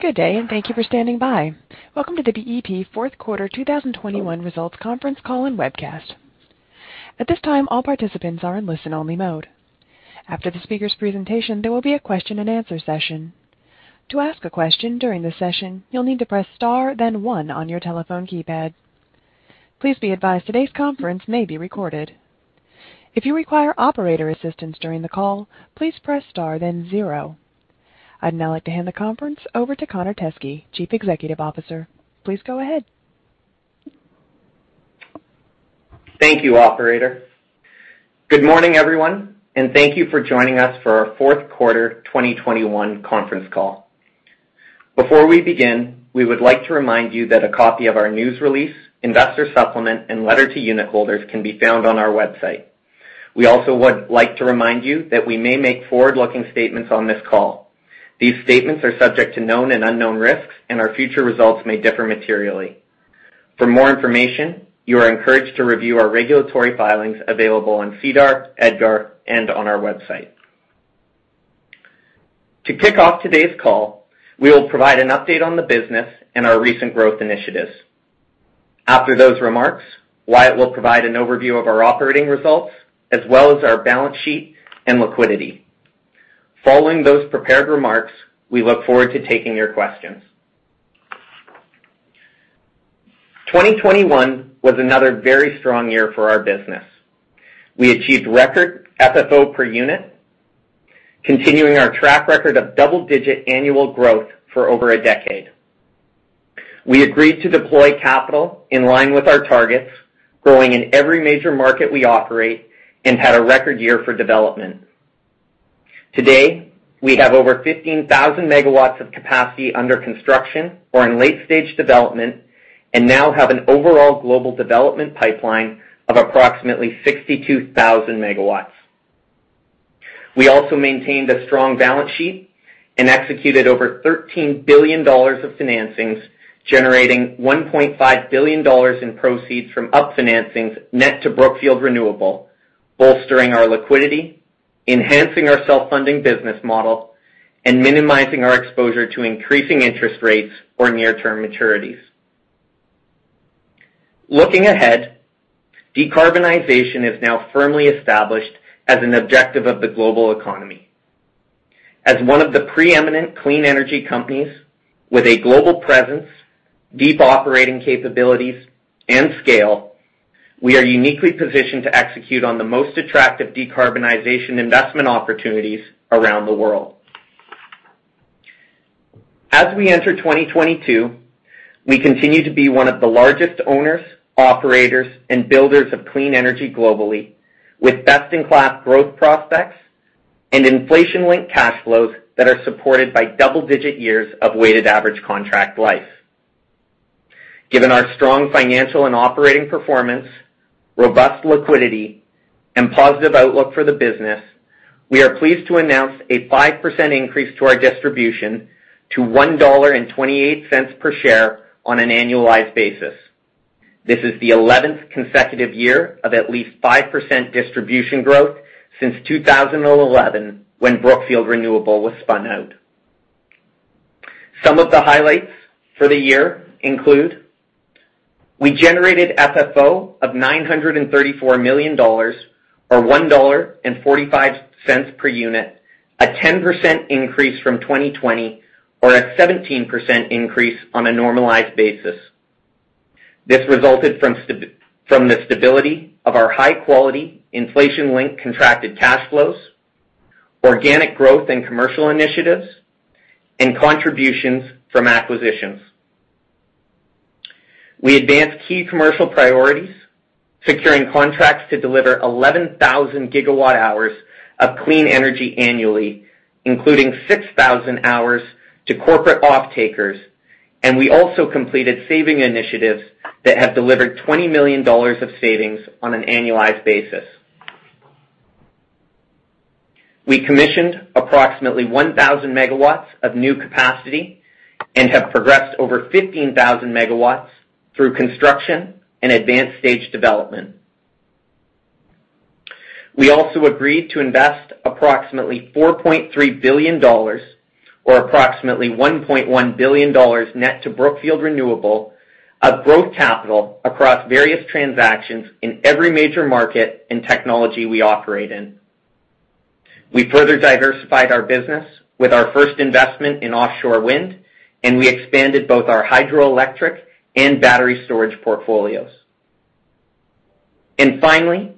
Good day, and thank you for standing by. Welcome to the BEP fourth quarter 2021 results conference call and webcast. At this time, all participants are in listen-only mode. After the speaker's presentation, there will be a Q&A session. To ask a question during the session, you'll need to press star, then one on your telephone keypad. Please be advised today's conference may be recorded. If you require operator assistance during the call, please press star, then zero. I'd now like to hand the conference over to Connor Teskey, Chief Executive Officer. Please go ahead. Thank you, operator. Good morning, everyone, and thank you for joining us for our fourth quarter 2021 conference call. Before we begin, we would like to remind you that a copy of our news release, investor supplement, and letter to unit holders can be found on our website. We also would like to remind you that we may make forward-looking statements on this call. These statements are subject to known and unknown risks, and our future results may differ materially. For more information, you are encouraged to review our regulatory filings available on SEDAR, EDGAR, and on our website. To kick off today's call, we will provide an update on the business and our recent growth initiatives. After those remarks, Wyatt will provide an overview of our operating results as well as our balance sheet and liquidity. Following those prepared remarks, we look forward to taking your questions. 2021 was another very strong year for our business. We achieved record FFO per unit, continuing our track record of double-digit annual growth for over a decade. We agreed to deploy capital in line with our targets, growing in every major market we operate, and had a record year for development. Today, we have over 15,000 MW of capacity under construction or in late-stage development and now have an overall global development pipeline of approximately 62,000 MW. We also maintained a strong balance sheet and executed over $13 billion of financings, generating $1.5 billion in proceeds from up-financings net to Brookfield Renewable, bolstering our liquidity, enhancing our self-funding business model, and minimizing our exposure to increasing interest rates or near-term maturities. Looking ahead, decarbonization is now firmly established as an objective of the global economy. As one of the preeminent clean energy companies with a global presence, deep operating capabilities, and scale, we are uniquely positioned to execute on the most attractive decarbonization investment opportunities around the world. As we enter 2022, we continue to be one of the largest owners, operators, and builders of clean energy globally with best-in-class growth prospects and inflation-linked cash flows that are supported by double-digit years of weighted average contract life. Given our strong financial and operating performance, robust liquidity, and positive outlook for the business, we are pleased to announce a 5% increase to our distribution to $1.28 per share on an annualized basis. This is the 11th consecutive year of at least 5% distribution growth since 2011 when Brookfield Renewable was spun out. Some of the highlights for the year include. We generated FFO of $934 million or $1.45 per unit, a 10% increase from 2020 or a 17% increase on a normalized basis. This resulted from the stability of our high-quality inflation-linked contracted cash flows, organic growth and commercial initiatives, and contributions from acquisitions. We advanced key commercial priorities, securing contracts to deliver 11,000 GWh of clean energy annually, including 6,000 GWh to corporate off-takers, and we also completed saving initiatives that have delivered $20 million of savings on an annualized basis. We commissioned approximately 1,000 MW of new capacity and have progressed over 15,000 MW through construction and advanced stage development. We also agreed to invest approximately $4.3 billion or approximately $1.1 billion net to Brookfield Renewable of growth capital across various transactions in every major market and technology we operate in. We further diversified our business with our first investment in offshore wind, and we expanded both our hydroelectric and battery storage portfolios. Finally,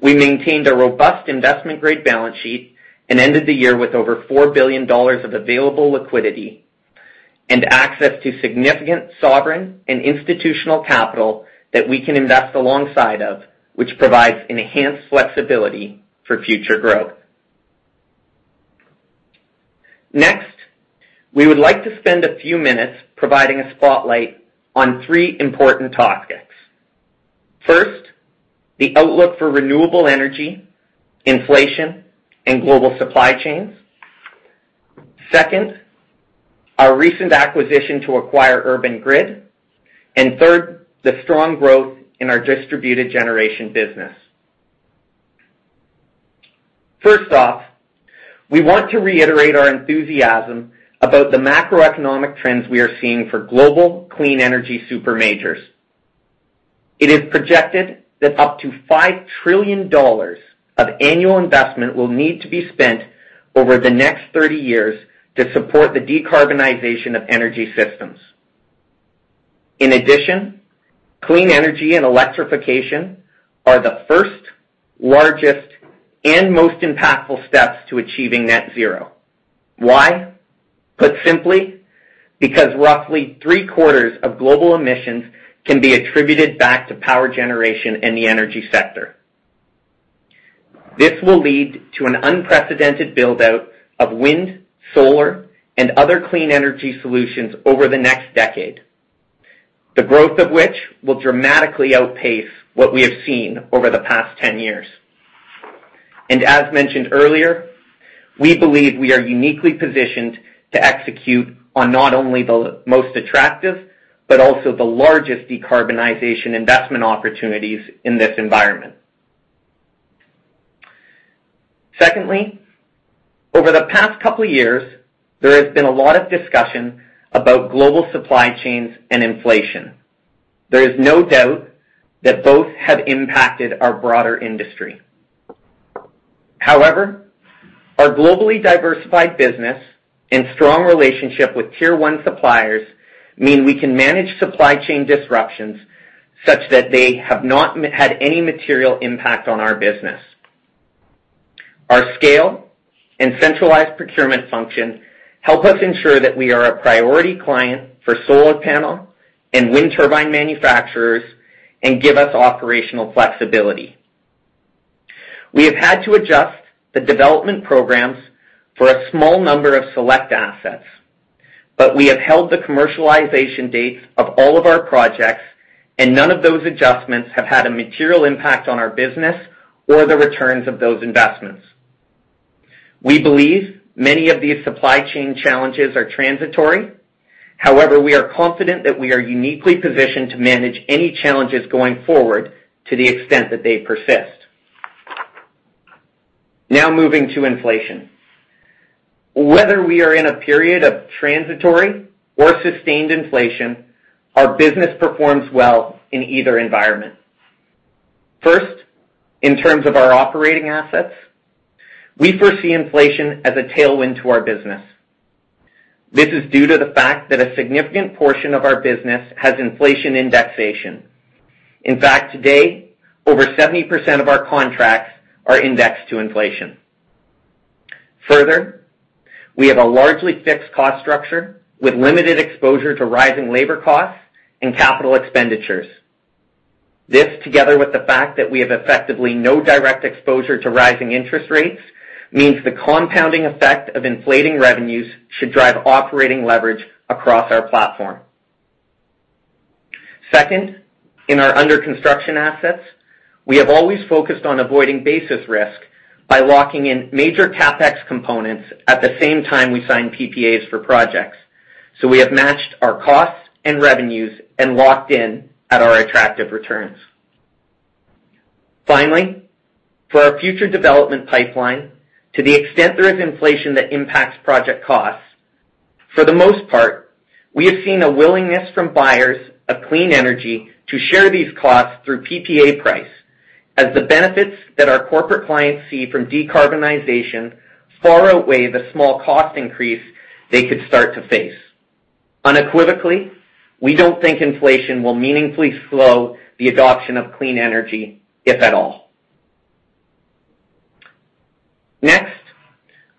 we maintained a robust investment-grade balance sheet and ended the year with over $4 billion of available liquidity and access to significant sovereign and institutional capital that we can invest alongside of, which provides enhanced flexibility for future growth. Next, we would like to spend a few minutes providing a spotlight on three important topics. First, the outlook for renewable energy, inflation, and global supply chains. Second, our recent acquisition of Urban Grid. Third, the strong growth in our distributed generation business. First off, we want to reiterate our enthusiasm about the macroeconomic trends we are seeing for global clean energy super majors. It is projected that up to $5 trillion of annual investment will need to be spent over the next 30 years to support the decarbonization of energy systems. In addition, clean energy and electrification are the first, largest, and most impactful steps to achieving net zero. Why? Put simply, because roughly three-quarters of global emissions can be attributed back to power generation in the energy sector. This will lead to an unprecedented build-out of wind, solar, and other clean energy solutions over the next decade, the growth of which will dramatically outpace what we have seen over the past 10 years. As mentioned earlier, we believe we are uniquely positioned to execute on not only the most attractive, but also the largest decarbonization investment opportunities in this environment. Secondly, over the past couple of years, there has been a lot of discussion about global supply chains and inflation. There is no doubt that both have impacted our broader industry. However, our globally diversified business and strong relationship with tier one suppliers mean we can manage supply chain disruptions such that they have not had any material impact on our business. Our scale and centralized procurement function help us ensure that we are a priority client for solar panel and wind turbine manufacturers and give us operational flexibility. We have had to adjust the development programs for a small number of select assets, but we have held the commercialization dates of all of our projects, and none of those adjustments have had a material impact on our business or the returns of those investments. We believe many of these supply chain challenges are transitory. However, we are confident that we are uniquely positioned to manage any challenges going forward to the extent that they persist. Now moving to inflation. Whether we are in a period of transitory or sustained inflation, our business performs well in either environment. First, in terms of our operating assets, we foresee inflation as a tailwind to our business. This is due to the fact that a significant portion of our business has inflation indexation. In fact, today, over 70% of our contracts are indexed to inflation. Further, we have a largely fixed cost structure with limited exposure to rising labor costs and capital expenditures. This, together with the fact that we have effectively no direct exposure to rising interest rates, means the compounding effect of inflating revenues should drive operating leverage across our platform. Second, in our under-construction assets, we have always focused on avoiding basis risk by locking in major CapEx components at the same time we sign PPAs for projects. We have matched our costs and revenues and locked in at our attractive returns. Finally, for our future development pipeline, to the extent there is inflation that impacts project costs, for the most part, we have seen a willingness from buyers of clean energy to share these costs through PPA price as the benefits that our corporate clients see from decarbonization far outweigh the small cost increase they could start to face. Unequivocally, we don't think inflation will meaningfully slow the adoption of clean energy, if at all. Next,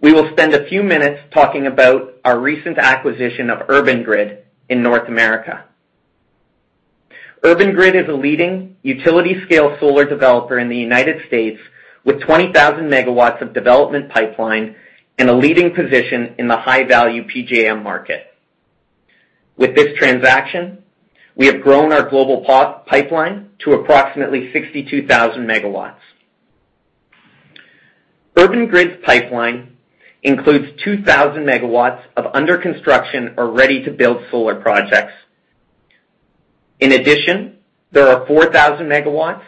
we will spend a few minutes talking about our recent acquisition of Urban Grid in North America. Urban Grid is a leading utility-scale solar developer in the United States with 20,000 MW of development pipeline and a leading position in the high-value PJM market. With this transaction, we have grown our global pipeline to approximately 62,000 MW. Urban Grid's pipeline includes 2,000 MW of under-construction or ready-to-build solar projects. In addition, there are 4,000 MW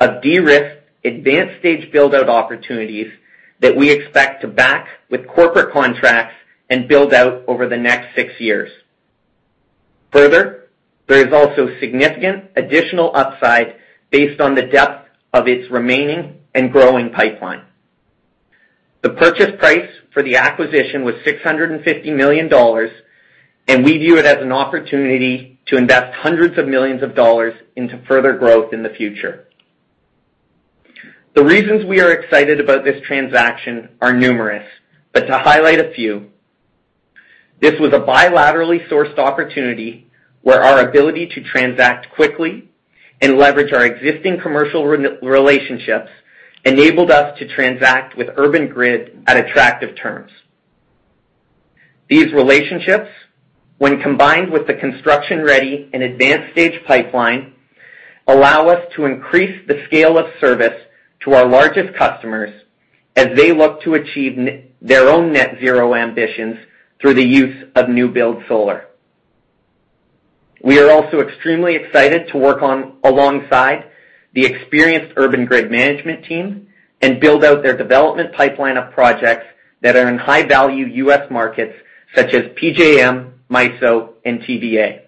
of de-risked, advanced-stage build-out opportunities that we expect to back with corporate contracts and build out over the next six years. Further, there is also significant additional upside based on the depth of its remaining and growing pipeline. The purchase price for the acquisition was $650 million, and we view it as an opportunity to invest hundreds of millions of dollars into further growth in the future. The reasons we are excited about this transaction are numerous, but to highlight a few, this was a bilaterally sourced opportunity where our ability to transact quickly and leverage our existing commercial relationships enabled us to transact with Urban Grid at attractive terms. These relationships, when combined with the construction-ready and advanced-stage pipeline, allow us to increase the scale of service to our largest customers as they look to achieve their own net zero ambitions through the use of new-build solar. We are also extremely excited to work alongside the experienced Urban Grid management team and build out their development pipeline of projects that are in high-value U.S. markets such as PJM, MISO, and TVA.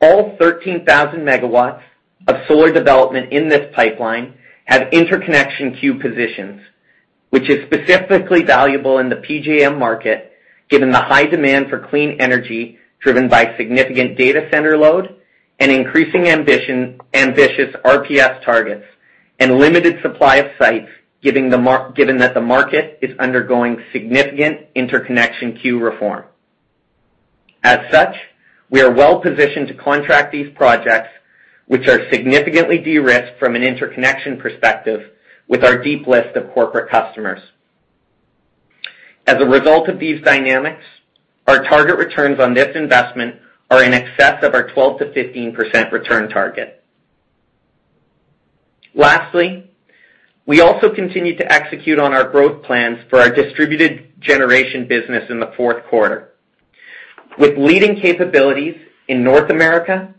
All 13,000 MW of solar development in this pipeline have interconnection queue positions, which is specifically valuable in the PJM market, given the high demand for clean energy driven by significant data center load and increasing ambitious RPS targets and limited supply of sites, given that the market is undergoing significant interconnection queue reform. As such, we are well-positioned to contract these projects, which are significantly de-risked from an interconnection perspective with our deep list of corporate customers. As a result of these dynamics, our target returns on this investment are in excess of our 12%-15% return target. Lastly, we also continue to execute on our growth plans for our distributed generation business in the fourth quarter. With leading capabilities in North America,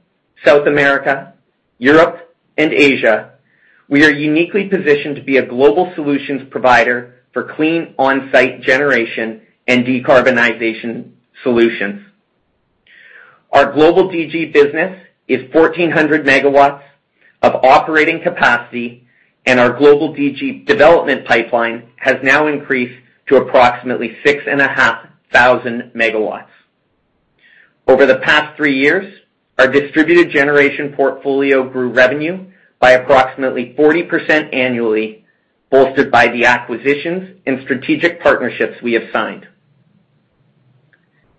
South America, Europe, and Asia, we are uniquely positioned to be a global solutions provider for clean on-site generation and decarbonization solutions. Our global DG business is 1,400 MW of operating capacity, and our global DG development pipeline has now increased to approximately 6,500 MW. Over the past three years, our distributed generation portfolio grew revenue by approximately 40% annually, bolstered by the acquisitions and strategic partnerships we have signed.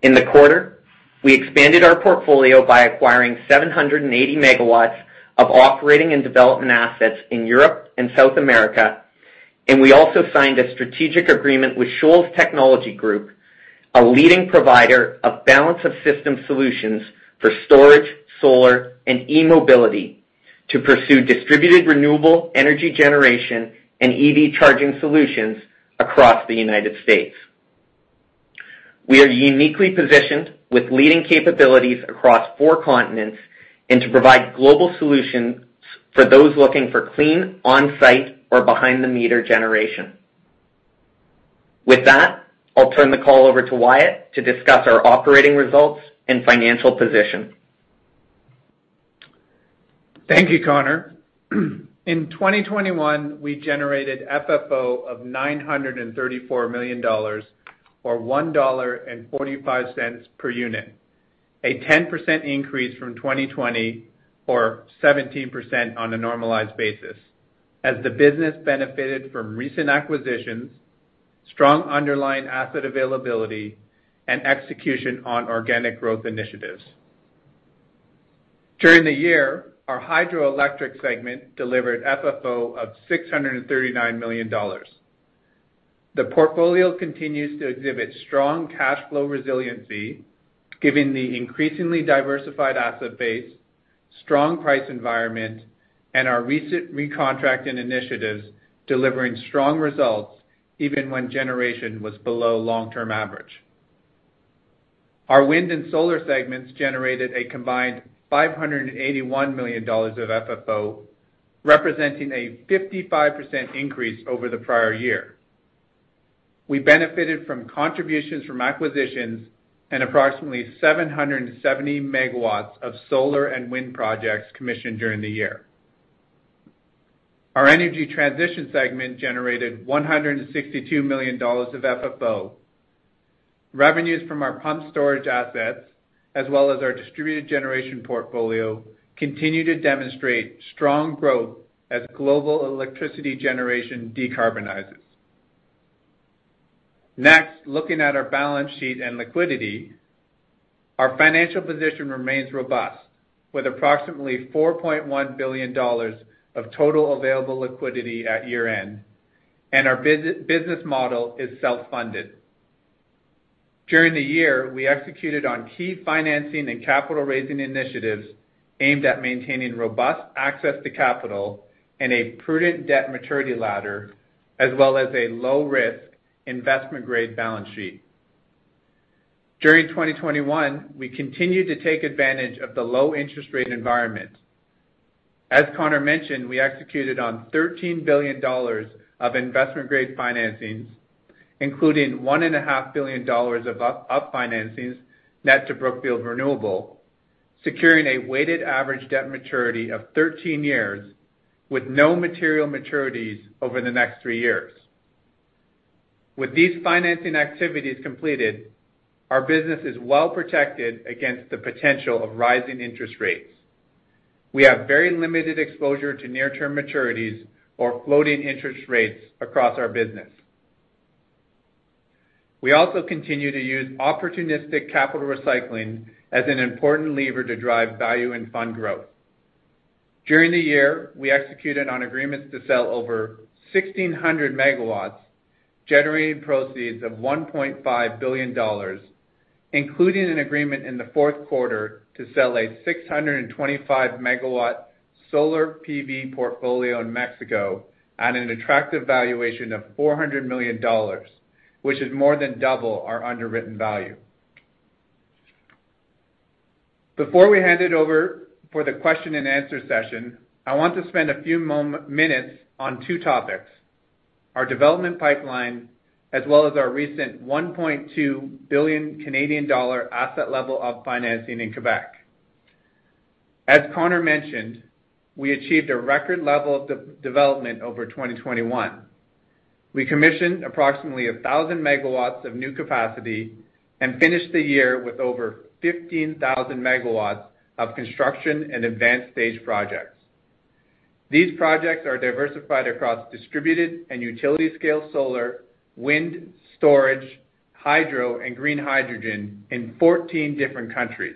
In the quarter, we expanded our portfolio by acquiring 780 MW of operating and development assets in Europe and South America, and we also signed a strategic agreement with Shoals Technologies Group, a leading provider of balance of system solutions for storage, solar, and e-mobility to pursue distributed renewable energy generation and EV charging solutions across the United States. We are uniquely positioned with leading capabilities across four continents and to provide global solutions for those looking for clean on-site or behind-the-meter generation. With that, I'll turn the call over to Wyatt to discuss our operating results and financial position. Thank you, Connor. In 2021, we generated FFO of $934 million or $1.45 per unit, a 10% increase from 2020 or 17% on a normalized basis as the business benefited from recent acquisitions, strong underlying asset availability, and execution on organic growth initiatives. During the year, our Hydroelectric segment delivered FFO of $639 million. The portfolio continues to exhibit strong cash flow resiliency, given the increasingly diversified asset base, strong price environment, and our recent recontracting initiatives delivering strong results even when generation was below long-term average. Our Wind and Solar segments generated a combined $581 million of FFO, representing a 55% increase over the prior year. We benefited from contributions from acquisitions and approximately 770 MW of solar and wind projects commissioned during the year. Our energy transition segment generated $162 million of FFO. Revenues from our pumped storage assets, as well as our distributed generation portfolio, continue to demonstrate strong growth as global electricity generation decarbonizes. Next, looking at our balance sheet and liquidity. Our financial position remains robust, with approximately $4.1 billion of total available liquidity at year-end, and our business model is self-funded. During the year, we executed on key financing and capital-raising initiatives aimed at maintaining robust access to capital and a prudent debt maturity ladder, as well as a low-risk investment-grade balance sheet. During 2021, we continued to take advantage of the low interest rate environment. As Connor mentioned, we executed on $13 billion of investment-grade financings, including $1.5 billion of up-financings net to Brookfield Renewable, securing a weighted average debt maturity of 13 years with no material maturities over the next three years. With these financing activities completed, our business is well protected against the potential of rising interest rates. We have very limited exposure to near-term maturities or floating interest rates across our business. We also continue to use opportunistic capital recycling as an important lever to drive value and fund growth. During the year, we executed on agreements to sell over 1,600 MW, generating proceeds of $1.5 billion, including an agreement in the fourth quarter to sell a 625 MW solar PV portfolio in Mexico at an attractive valuation of $400 million, which is more than double our underwritten value. Before we hand it over for the Q&A session, I want to spend a few minutes on two topics, our development pipeline, as well as our recent 1.2 billion Canadian dollar asset level of financing in Quebec. As Connor mentioned, we achieved a record level of development over 2021. We commissioned approximately 1,000 MW of new capacity and finished the year with over 15,000 MW of construction and advanced stage projects. These projects are diversified across distributed and utility scale solar, wind, storage, hydro and green hydrogen in 14 different countries.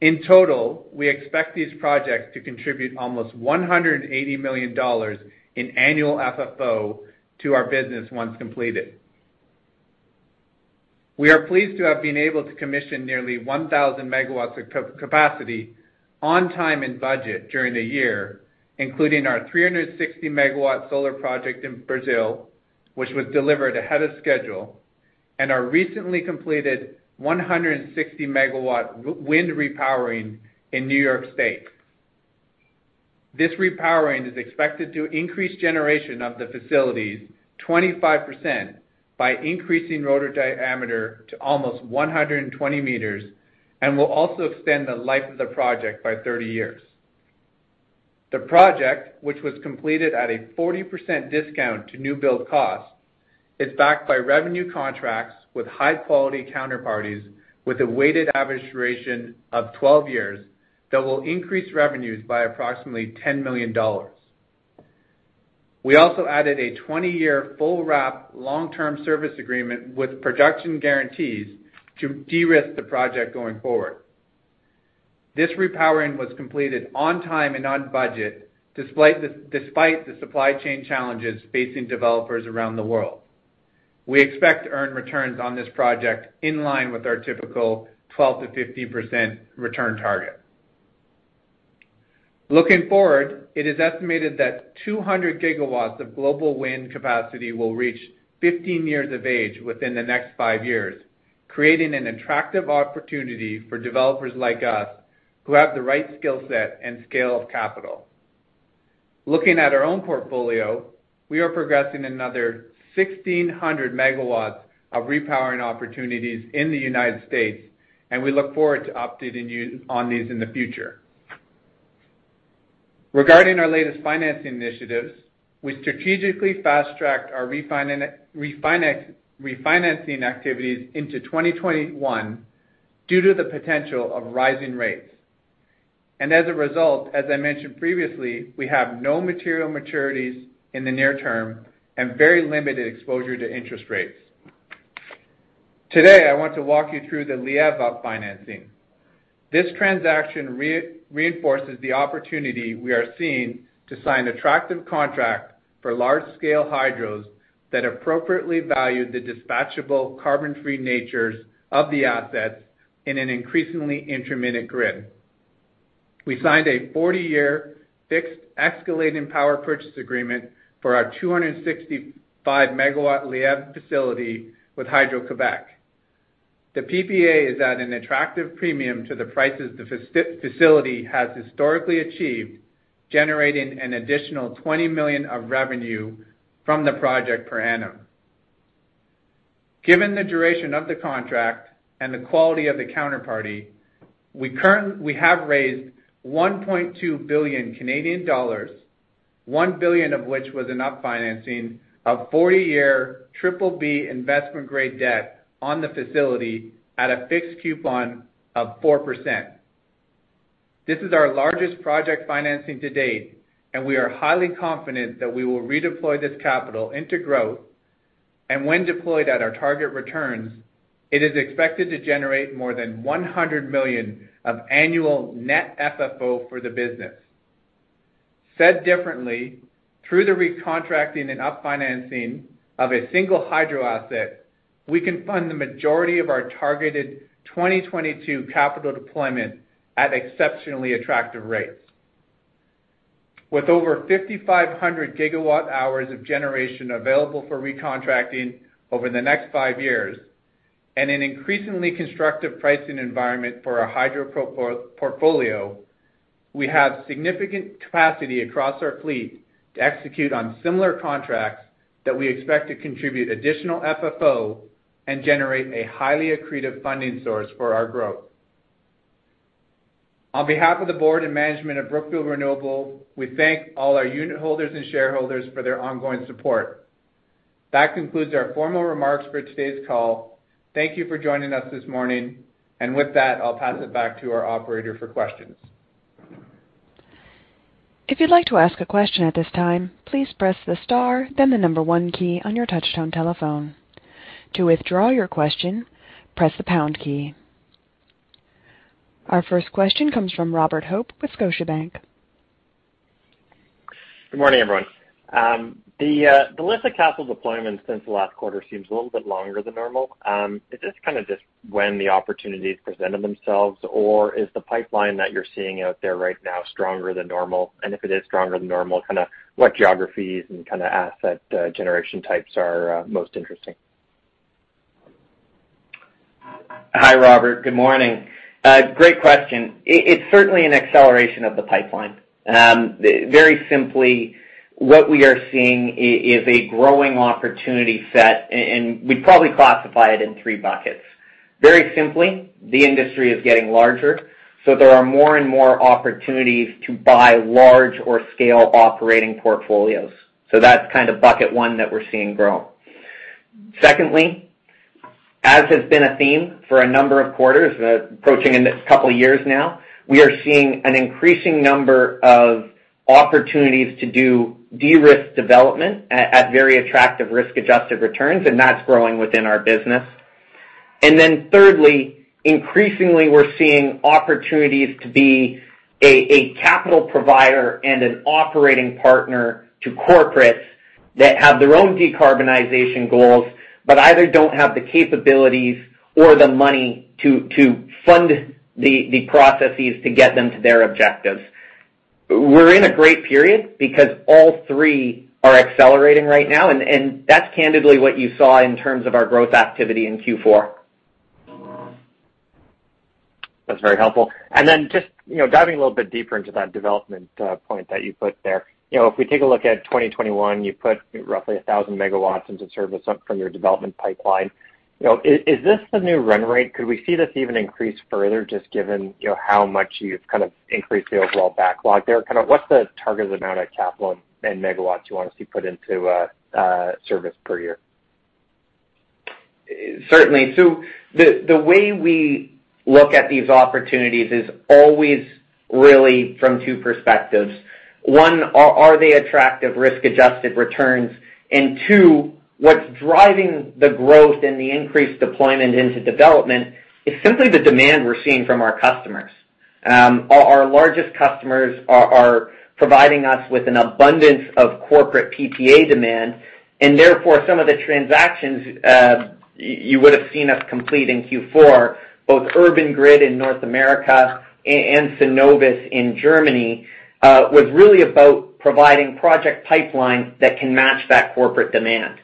In total, we expect these projects to contribute almost $180 million in annual FFO to our business once completed. We are pleased to have been able to commission nearly 1,000 MW of capacity on time and budget during the year, including our 360 MW solar project in Brazil, which was delivered ahead of schedule, and our recently completed 160 MW wind repowering in New York State. This repowering is expected to increase generation of the facilities 25% by increasing rotor diameter to almost 120 meters, and will also extend the life of the project by 30 years. The project, which was completed at a 40% discount to new build cost, is backed by revenue contracts with high-quality counterparties, with a weighted average duration of 12 years that will increase revenues by approximately $10 million. We also added a 20-year full wrap long-term service agreement with production guarantees to de-risk the project going forward. This repowering was completed on time and on budget, despite the supply chain challenges facing developers around the world. We expect to earn returns on this project in line with our typical 12%-15% return target. Looking forward, it is estimated that 200 gigawatts of global wind capacity will reach 15 years of age within the next five years, creating an attractive opportunity for developers like us who have the right skill set and scale of capital. Looking at our own portfolio, we are progressing another 1,600 MW of repowering opportunities in the United States, and we look forward to updating you on these in the future. Regarding our latest financing initiatives, we strategically fast-tracked our refinancing activities into 2021 due to the potential of rising rates. As a result, as I mentioned previously, we have no material maturities in the near term and very limited exposure to interest rates. Today, I want to walk you through the Lièvre up-financing. This transaction reinforces the opportunity we are seeing to sign attractive contract for large-scale hydros that appropriately value the dispatchable carbon-free natures of the assets in an increasingly intermittent grid. We signed a 40-year fixed escalating power purchase agreement for our 265-MW Lièvre facility with Hydro-Québec. The PPA is at an attractive premium to the prices the facility has historically achieved, generating an additional $20 million of revenue from the project per annum. Given the duration of the contract and the quality of the counterparty, we have raised 1.2 billion Canadian dollars, 1 billion of which was in up-financing of 40-year BBB investment-grade debt on the facility at a fixed coupon of 4%. This is our largest project financing to date, and we are highly confident that we will redeploy this capital into growth. When deployed at our target returns, it is expected to generate more than $100 million of annual net FFO for the business. Said differently, through the recontracting and up-financing of a single hydro asset, we can fund the majority of our targeted 2022 capital deployment at exceptionally attractive rates. With over 5,500 GWh of generation available for recontracting over the next five years, and an increasingly constructive pricing environment for our hydro portfolio, we have significant capacity across our fleet to execute on similar contracts that we expect to contribute additional FFO and generate a highly accretive funding source for our growth. On behalf of the board and management of Brookfield Renewable, we thank all our unit holders and shareholders for their ongoing support. That concludes our formal remarks for today's call. Thank you for joining us this morning. With that, I'll pass it back to our operator for questions. If you'd like to ask a question at this time, please press the star, then the number one key on your touchtone telephone. To withdraw your question, press the pound key. Our first question comes from Robert Hope with Scotiabank. Good morning, everyone. The list of capital deployment since the last quarter seems a little bit longer than normal. Is this kind of just when the opportunities presented themselves, or is the pipeline that you're seeing out there right now stronger than normal? If it is stronger than normal, kinda what geographies and kinda asset generation types are most interesting? Hi, Robert. Good morning. Great question. It's certainly an acceleration of the pipeline. Very simply, what we are seeing is a growing opportunity set, and we'd probably classify it in three buckets. Very simply, the industry is getting larger, so there are more and more opportunities to buy large-scale operating portfolios. So that's kind of bucket one that we're seeing grow. Secondly, as has been a theme for a number of quarters, approaching in this couple of years now, we are seeing an increasing number of opportunities to do de-risk development at very attractive risk-adjusted returns, and that's growing within our business. Thirdly, increasingly, we're seeing opportunities to be a capital provider and an operating partner to corporates that have their own decarbonization goals, but either don't have the capabilities or the money to fund the processes to get them to their objectives. We're in a great period because all three are accelerating right now, and that's candidly what you saw in terms of our growth activity in Q4. That's very helpful. Then just, you know, diving a little bit deeper into that development point that you put there. You know, if we take a look at 2021, you put roughly 1,000 MW into service from your development pipeline. You know, is this the new run rate? Could we see this even increase further just given, you know, how much you've kind of increased the overall backlog there? Kinda what's the target amount of capital and megawatts you want to see put into service per year? Certainly. The way we look at these opportunities is always really from two perspectives. One, are they attractive risk-adjusted returns? Two, what's driving the growth and the increased deployment into development is simply the demand we're seeing from our customers. Our largest customers are providing us with an abundance of corporate PPA demand, and therefore, some of the transactions you would have seen us complete in Q4, both Urban Grid in North America and Sunovis in Germany, was really about providing project pipelines that can match that corporate demand.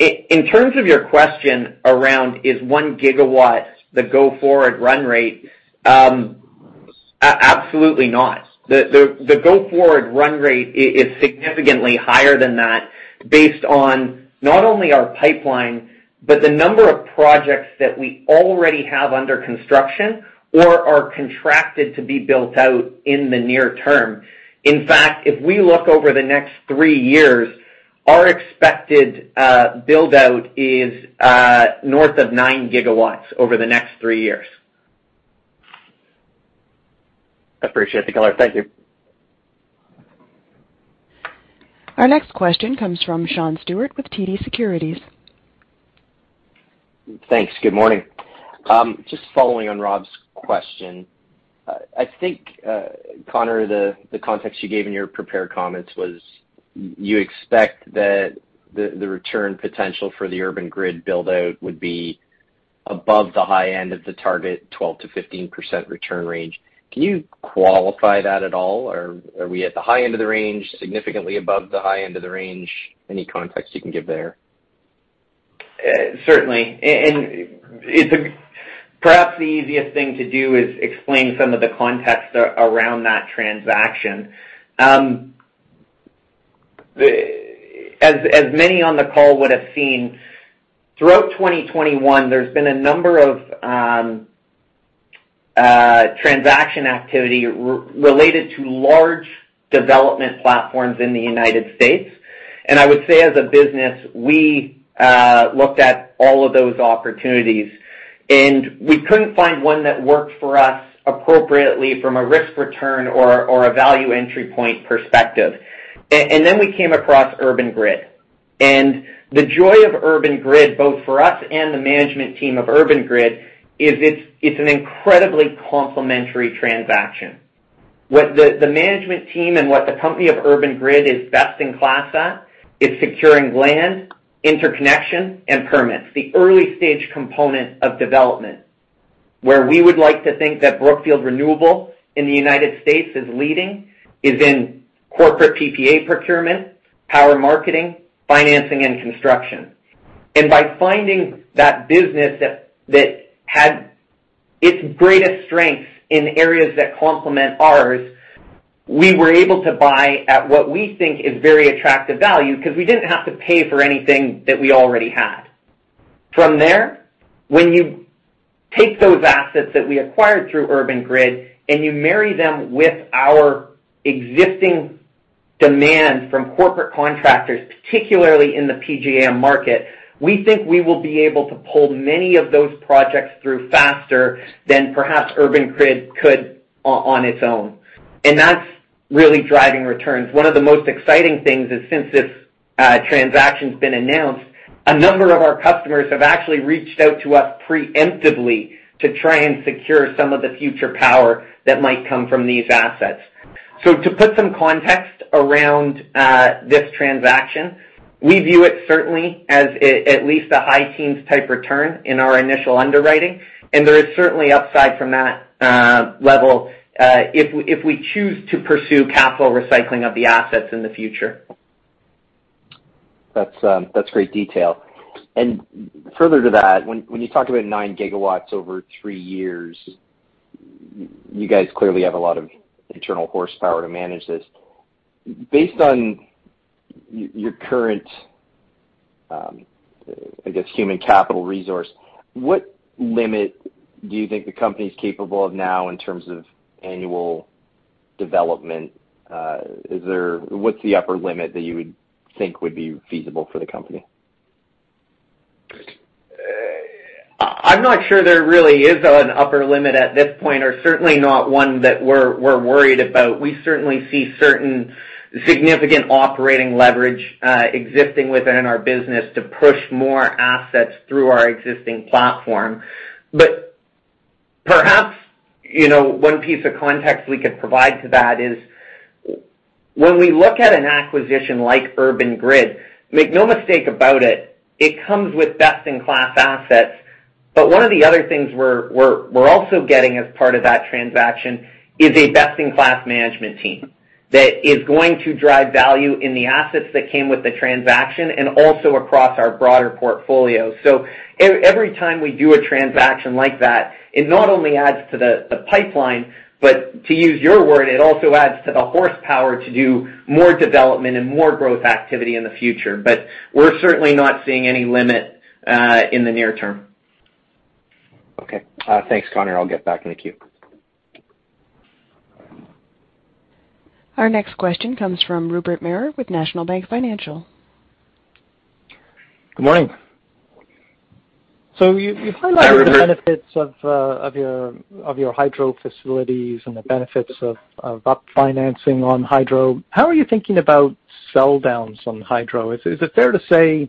In terms of your question around is one gigawatt the go-forward run rate, absolutely not. The go-forward run rate is significantly higher than that based on not only our pipeline, but the number of projects that we already have under construction or are contracted to be built out in the near term. In fact, if we look over the next three years, our expected build-out is north of 9 GW over the next three years. Appreciate the color. Thank you. Our next question comes from Sean Steuart with TD Securities. Thanks. Good morning. Just following on Rob's question. I think, Connor, the context you gave in your prepared comments was you expect that the return potential for the Urban Grid build-out would be above the high end of the target 12%-15% return range. Can you qualify that at all? Or are we at the high end of the range, significantly above the high end of the range? Any context you can give there? Certainly. Perhaps the easiest thing to do is explain some of the context around that transaction. As many on the call would have seen, throughout 2021, there's been a number of transaction activity related to large development platforms in the United States. I would say as a business, we looked at all of those opportunities, and we couldn't find one that worked for us appropriately from a risk-return or a value entry point perspective. Then we came across Urban Grid. The joy of Urban Grid, both for us and the management team of Urban Grid, is it's an incredibly complementary transaction. What the management team and what the company of Urban Grid is best-in-class at is securing land, interconnection, and permits, the early-stage component of development. Where we would like to think that Brookfield Renewable in the United States is leading is in corporate PPA procurement, power marketing, financing, and construction. By finding that business that had its greatest strengths in areas that complement ours, we were able to buy at what we think is very attractive value because we didn't have to pay for anything that we already had. From there, when you take those assets that we acquired through Urban Grid and you marry them with our existing demand from corporate contractors, particularly in the PJM market, we think we will be able to pull many of those projects through faster than perhaps Urban Grid could on its own. That's really driving returns. One of the most exciting things is since this transaction's been announced, a number of our customers have actually reached out to us preemptively to try and secure some of the future power that might come from these assets. To put some context around this transaction, we view it certainly as at least a high teens type return in our initial underwriting, and there is certainly upside from that level, if we choose to pursue capital recycling of the assets in the future. That's great detail. Further to that, when you talk about 9 GW over three years, you guys clearly have a lot of internal horsepower to manage this. Based on your current, I guess, human capital resource, what limit do you think the company is capable of now in terms of annual development? What's the upper limit that you would think would be feasible for the company? I'm not sure there really is an upper limit at this point, or certainly not one that we're worried about. We certainly see certain significant operating leverage existing within our business to push more assets through our existing platform. Perhaps, you know, one piece of context we could provide to that is when we look at an acquisition like Urban Grid, make no mistake about it comes with best-in-class assets. One of the other things we're also getting as part of that transaction is a best-in-class management team that is going to drive value in the assets that came with the transaction and also across our broader portfolio. Every time we do a transaction like that, it not only adds to the pipeline, but to use your word, it also adds to the horsepower to do more development and more growth activity in the future. We're certainly not seeing any limit in the near term. Okay. Thanks, Connor. I'll get back in the queue. Our next question comes from Rupert Merer with National Bank Financial. Good morning. Hi, Rupert. You highlight the benefits of your hydro facilities and the benefits of up-financing on hydro. How are you thinking about sell-downs on hydro? Is it fair to say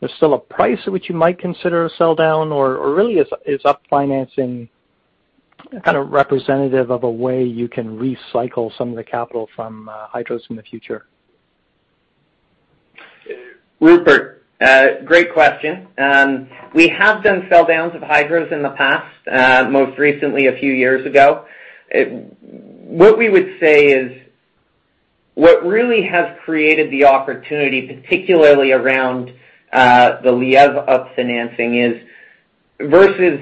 there's still a price at which you might consider a sell-down? Or really is up-financing kind of representative of a way you can recycle some of the capital from hydros in the future? Rupert, great question. We have done sell-downs of hydros in the past, most recently a few years ago. What we would say is, what really has created the opportunity, particularly around the Lièvre up-financing is, versus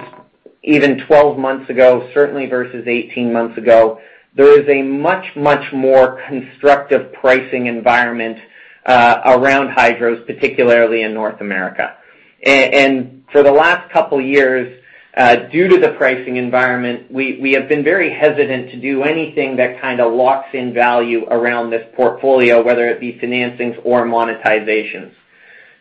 even 12 months ago, certainly versus 18 months ago, there is a much more constructive pricing environment around hydros, particularly in North America. For the last couple of years, due to the pricing environment, we have been very hesitant to do anything that kind of locks in value around this portfolio, whether it be financings or monetizations.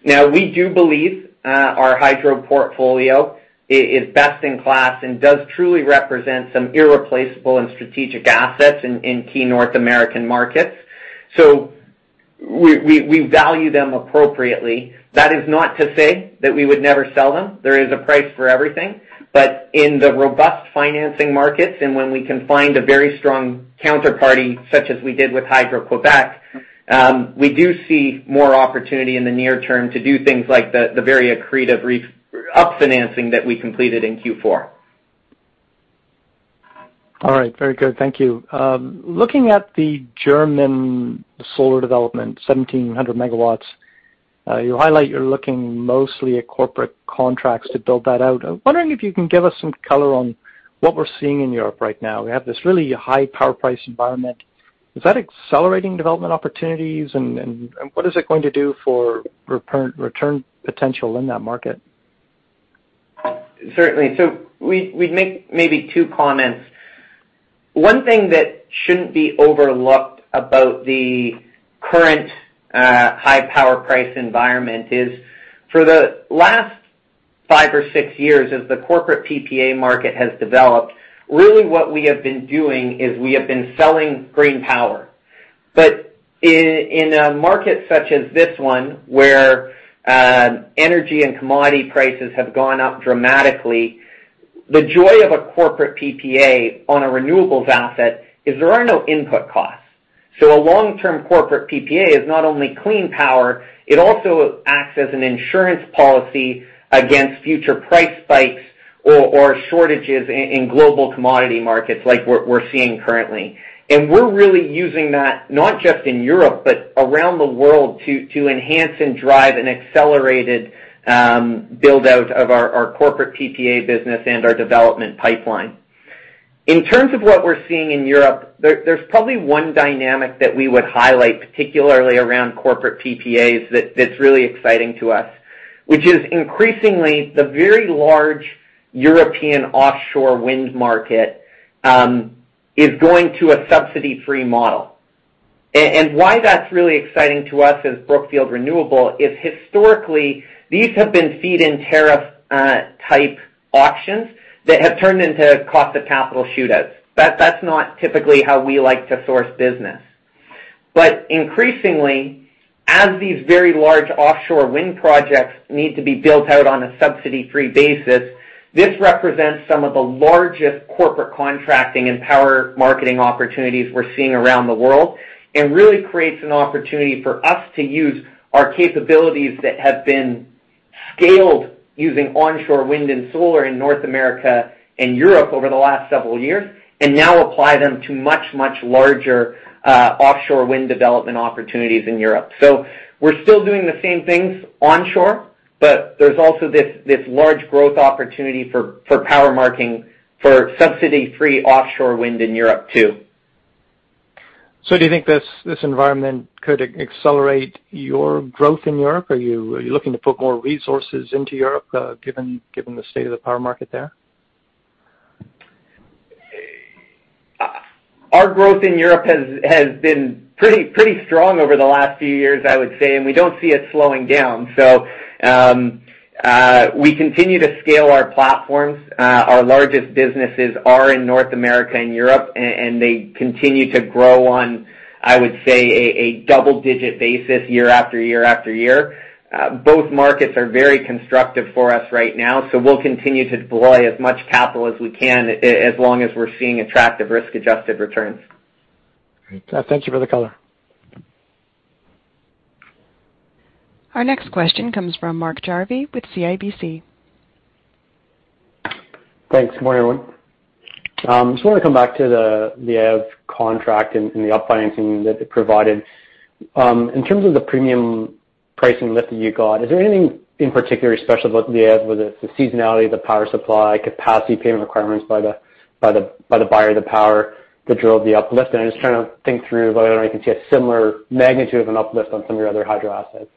Now, we do believe our hydro portfolio is best in class and does truly represent some irreplaceable and strategic assets in key North American markets. We value them appropriately. That is not to say that we would never sell them. There is a price for everything. In the robust financing markets, and when we can find a very strong counterparty, such as we did with Hydro-Québec, we do see more opportunity in the near term to do things like the very accretive up-financing that we completed in Q4. All right. Very good. Thank you. Looking at the German solar development, 1,700 MW, you highlight you're looking mostly at corporate contracts to build that out. I'm wondering if you can give us some color on what we're seeing in Europe right now. We have this really high power price environment. Is that accelerating development opportunities? What is it going to do for return potential in that market? Certainly. We make maybe two comments. One thing that shouldn't be overlooked about the current high power price environment is for the last five or six years, as the corporate PPA market has developed, really what we have been doing is we have been selling green power. In a market such as this one, where energy and commodity prices have gone up dramatically, the joy of a corporate PPA on a renewables asset is there are no input costs. A long-term corporate PPA is not only clean power, it also acts as an insurance policy against future price spikes or shortages in global commodity markets like we're seeing currently. We're really using that not just in Europe, but around the world to enhance and drive an accelerated build-out of our corporate PPA business and our development pipeline. In terms of what we're seeing in Europe, there's probably one dynamic that we would highlight, particularly around corporate PPAs, that's really exciting to us, which is increasingly the very large European offshore wind market is going to a subsidy-free model. Why that's really exciting to us as Brookfield Renewable is historically, these have been feed-in tariff type auctions that have turned into cost of capital shootouts. That's not typically how we like to source business. Increasingly, as these very large offshore wind projects need to be built out on a subsidy-free basis, this represents some of the largest corporate contracting and power marketing opportunities we're seeing around the world and really creates an opportunity for us to use our capabilities that have been scaled using onshore wind and solar in North America and Europe over the last several years, and now apply them to much, much larger offshore wind development opportunities in Europe. We're still doing the same things onshore, but there's also this large growth opportunity for power marketing for subsidy-free offshore wind in Europe too. Do you think this environment could accelerate your growth in Europe? Are you looking to put more resources into Europe, given the state of the power market there? Our growth in Europe has been pretty strong over the last few years, I would say, and we don't see it slowing down. We continue to scale our platforms. Our largest businesses are in North America and Europe, and they continue to grow on, I would say, a double-digit basis year after year after year. Both markets are very constructive for us right now, so we'll continue to deploy as much capital as we can as long as we're seeing attractive risk-adjusted returns. Great. Thank you for the color. Our next question comes from Mark Jarvi with CIBC. Thanks. Good morning, everyone. Just wanna come back to the Lièvre contract and the up-financing that it provided. In terms of the premium pricing lift that you got, is there anything in particular special about Lièvre, whether it's the seasonality, the power supply, capacity payment requirements by the buyer of the power that drove the uplift? I'm just trying to think through whether or not you can see a similar magnitude of an uplift on some of your other hydro assets.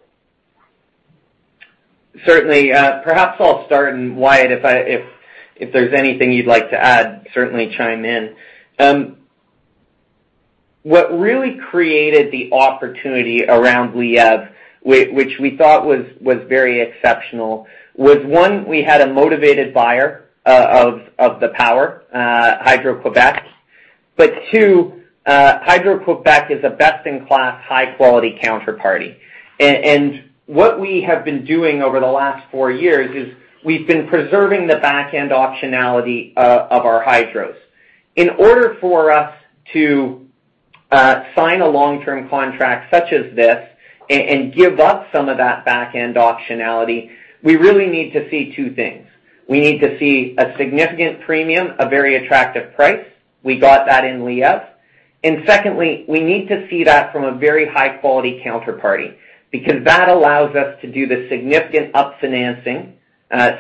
Certainly. Perhaps I'll start, and Wyatt, if there's anything you'd like to add, certainly chime in. What really created the opportunity around Lièvre, which we thought was very exceptional, was one, we had a motivated buyer of the power, Hydro-Québec. Two, Hydro-Québec is a best-in-class, high-quality counterparty. What we have been doing over the last four years is we've been preserving the backend optionality of our hydros. In order for us to sign a long-term contract such as this and give up some of that backend optionality, we really need to see two things. We need to see a significant premium, a very attractive price. We got that in Lièvre. Secondly, we need to see that from a very high-quality counterparty. Because that allows us to do the significant up-financing,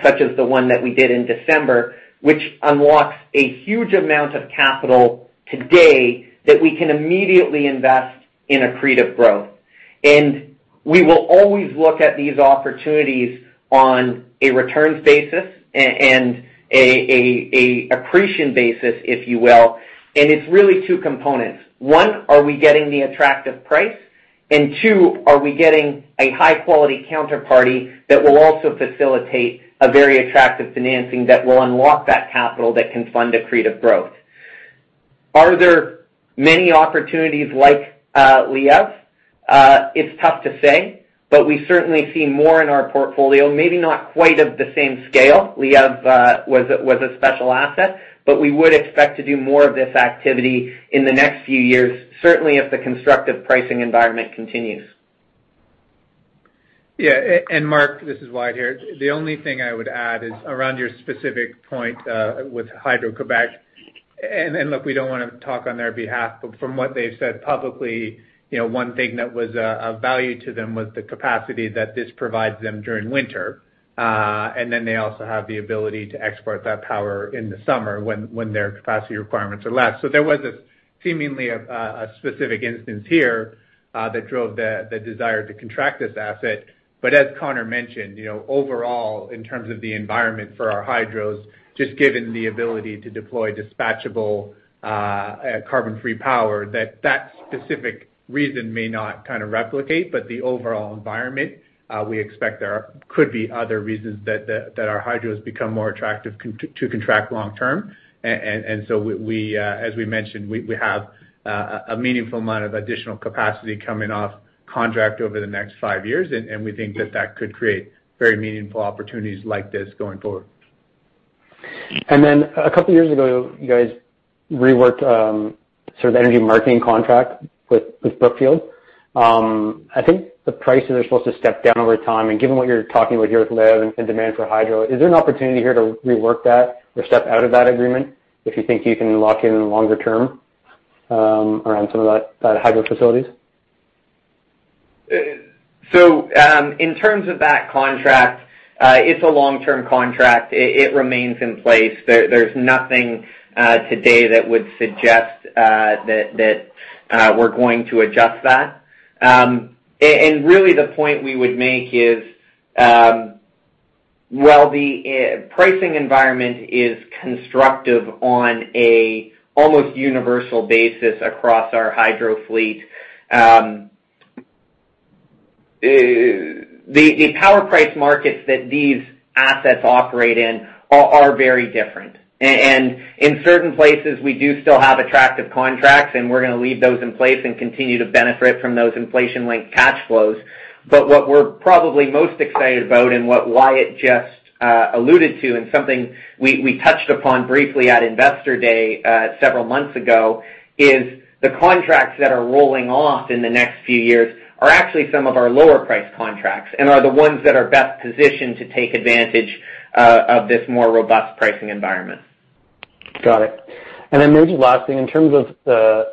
such as the one that we did in December, which unlocks a huge amount of capital today that we can immediately invest in accretive growth. We will always look at these opportunities on a returns basis and accretion basis, if you will. It's really two components. One, are we getting the attractive price? Two, are we getting a high-quality counterparty that will also facilitate a very attractive financing that will unlock that capital that can fund accretive growth? Are there many opportunities like Lièvre? It's tough to say, but we certainly see more in our portfolio, maybe not quite of the same scale. Lièvre was a special asset, but we would expect to do more of this activity in the next few years, certainly if the constructive pricing environment continues. Yeah. Mark, this is Wyatt here. The only thing I would add is around your specific point with Hydro-Québec. Look, we don't wanna talk on their behalf, but from what they've said publicly, you know, one thing that was of value to them was the capacity that this provides them during winter. They also have the ability to export that power in the summer when their capacity requirements are less. There was seemingly a specific instance here that drove the desire to contract this asset. As Connor mentioned, you know, overall, in terms of the environment for our hydros, just given the ability to deploy dispatchable carbon-free power, that specific reason may not kinda replicate. The overall environment, we expect there could be other reasons that our hydros become more attractive to contract long term. As we mentioned, we have a meaningful amount of additional capacity coming off contract over the next five years. We think that could create very meaningful opportunities like this going forward. Then a couple years ago, you guys reworked sort of energy marketing contract with Brookfield. I think the prices are supposed to step down over time. Given what you're talking about here with Lièvre and demand for hydro, is there an opportunity here to rework that or step out of that agreement if you think you can lock in longer term around some of that hydro facilities? In terms of that contract, it's a long-term contract. It remains in place. There's nothing today that would suggest that we're going to adjust that. Really the point we would make is, while the pricing environment is constructive on an almost universal basis across our hydro fleet, the power price markets that these assets operate in are very different. In certain places, we do still have attractive contracts, and we're gonna leave those in place and continue to benefit from those inflation-linked cash flows. What we're probably most excited about and what Wyatt just alluded to and something we touched upon briefly at Investor Day several months ago is the contracts that are rolling off in the next few years are actually some of our lower-priced contracts and are the ones that are best positioned to take advantage of this more robust pricing environment. Got it. Then maybe last thing, in terms of the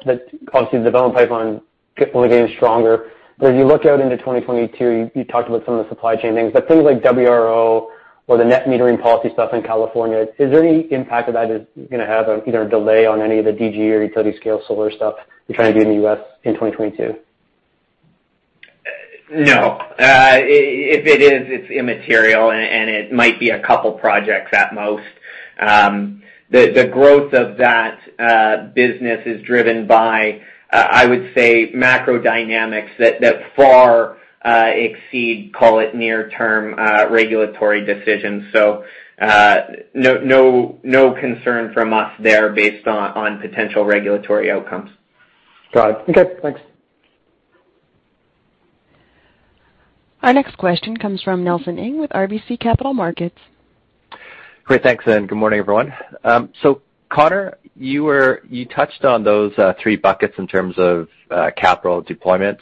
obviously the development pipeline keep only getting stronger. As you look out into 2022, you talked about some of the supply chain things, but things like WRO or the net metering policy stuff in California, is there any impact that that is gonna have on either a delay on any of the DG or utility scale solar stuff you're trying to do in the U.S. in 2022? No. If it is, it's immaterial and it might be a couple projects at most. The growth of that business is driven by, I would say, macro dynamics that far exceed, call it, near term regulatory decisions. No concern from us there based on potential regulatory outcomes. Got it. Okay, thanks. Our next question comes from Nelson Ng with RBC Capital Markets. Great, thanks, and good morning, everyone. So Connor, you touched on those three buckets in terms of capital deployments.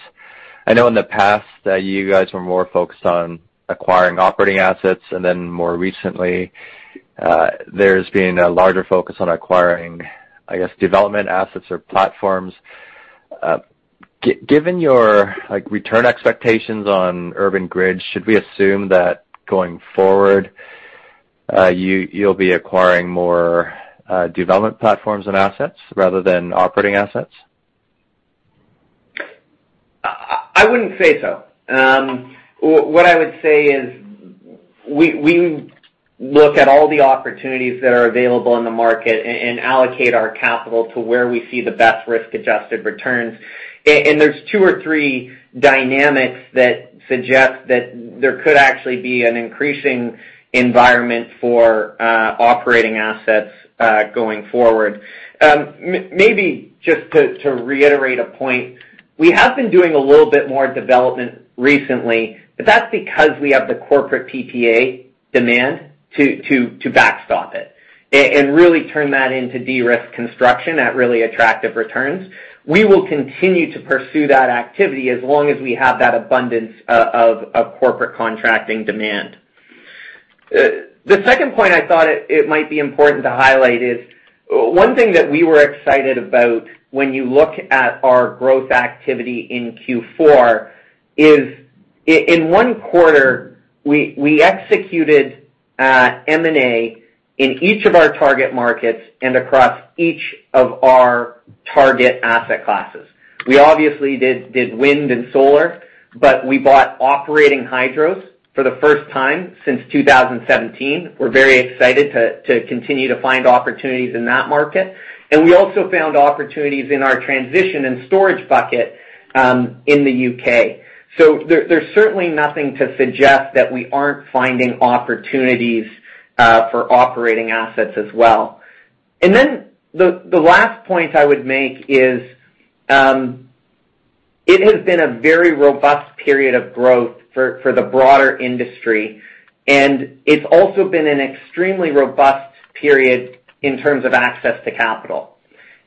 I know in the past that you guys were more focused on acquiring operating assets, and then more recently, there's been a larger focus on acquiring, I guess, development assets or platforms. Given your, like, return expectations on Urban Grid, should we assume that going forward, you'll be acquiring more development platforms and assets rather than operating assets? I wouldn't say so. What I would say is we look at all the opportunities that are available in the market and allocate our capital to where we see the best risk-adjusted returns. There's two or three dynamics that suggest that there could actually be an increasing environment for operating assets going forward. Maybe just to reiterate a point, we have been doing a little bit more development recently, but that's because we have the corporate PPA demand to backstop it and really turn that into de-risk construction at really attractive returns. We will continue to pursue that activity as long as we have that abundance of corporate contracting demand. The second point I thought it might be important to highlight is one thing that we were excited about when you look at our growth activity in Q4 is in one quarter, we executed M&A in each of our target markets and across each of our target asset classes. We obviously did wind and solar, but we bought operating hydros for the first time since 2017. We're very excited to continue to find opportunities in that market. We also found opportunities in our transition and storage bucket in the U.K. There's certainly nothing to suggest that we aren't finding opportunities for operating assets as well. The last point I would make is, it has been a very robust period of growth for the broader industry, and it's also been an extremely robust period in terms of access to capital.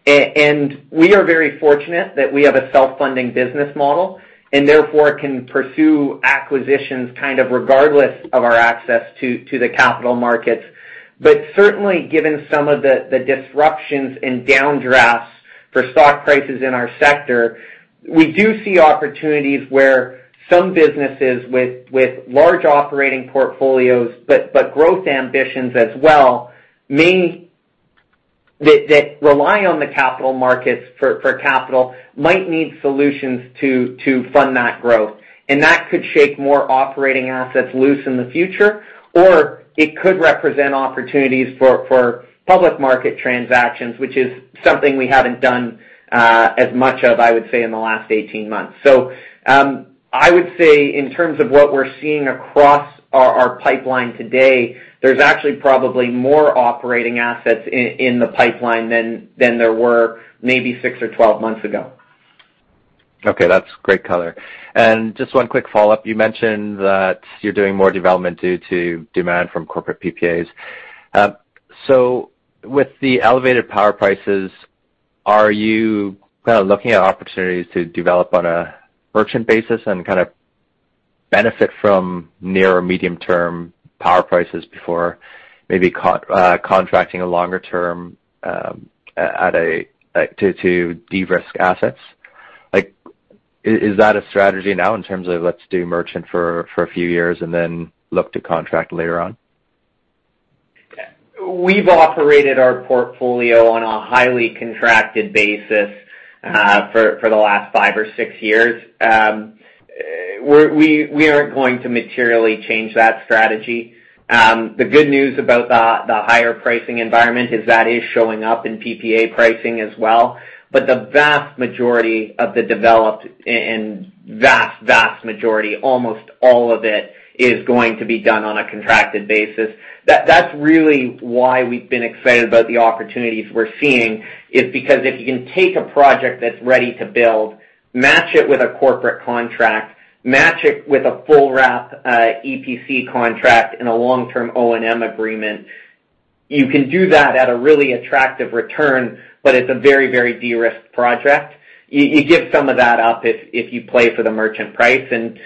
And we are very fortunate that we have a self-funding business model, and therefore, can pursue acquisitions kind of regardless of our access to the capital markets. But certainly, given some of the disruptions and downdrafts for stock prices in our sector, we do see opportunities where some businesses with large operating portfolios, but growth ambitions as well, that rely on the capital markets for capital, might need solutions to fund that growth. That could shake more operating assets loose in the future, or it could represent opportunities for public market transactions, which is something we haven't done as much of, I would say, in the last 18 months. I would say in terms of what we're seeing across our pipeline today, there's actually probably more operating assets in the pipeline than there were maybe six or 12 months ago. Okay, that's great color. Just one quick follow-up. You mentioned that you're doing more development due to demand from Corporate PPAs. With the elevated power prices, are you kind of looking at opportunities to develop on a merchant basis and kind of benefit from near or medium-term power prices before maybe contracting a longer term to de-risk assets? Like, is that a strategy now in terms of let's do merchant for a few years and then look to contract later on? We've operated our portfolio on a highly contracted basis for the last five or six years. We aren't going to materially change that strategy. The good news about the higher pricing environment is that is showing up in PPA pricing as well. The vast majority of the developed and vast majority, almost all of it, is going to be done on a contracted basis. That's really why we've been excited about the opportunities we're seeing, is because if you can take a project that's ready to build, match it with a corporate contract, match it with a full wrap EPC contract and a long-term O&M agreement, you can do that at a really attractive return, but it's a very de-risked project. You give some of that up if you play for the merchant price, and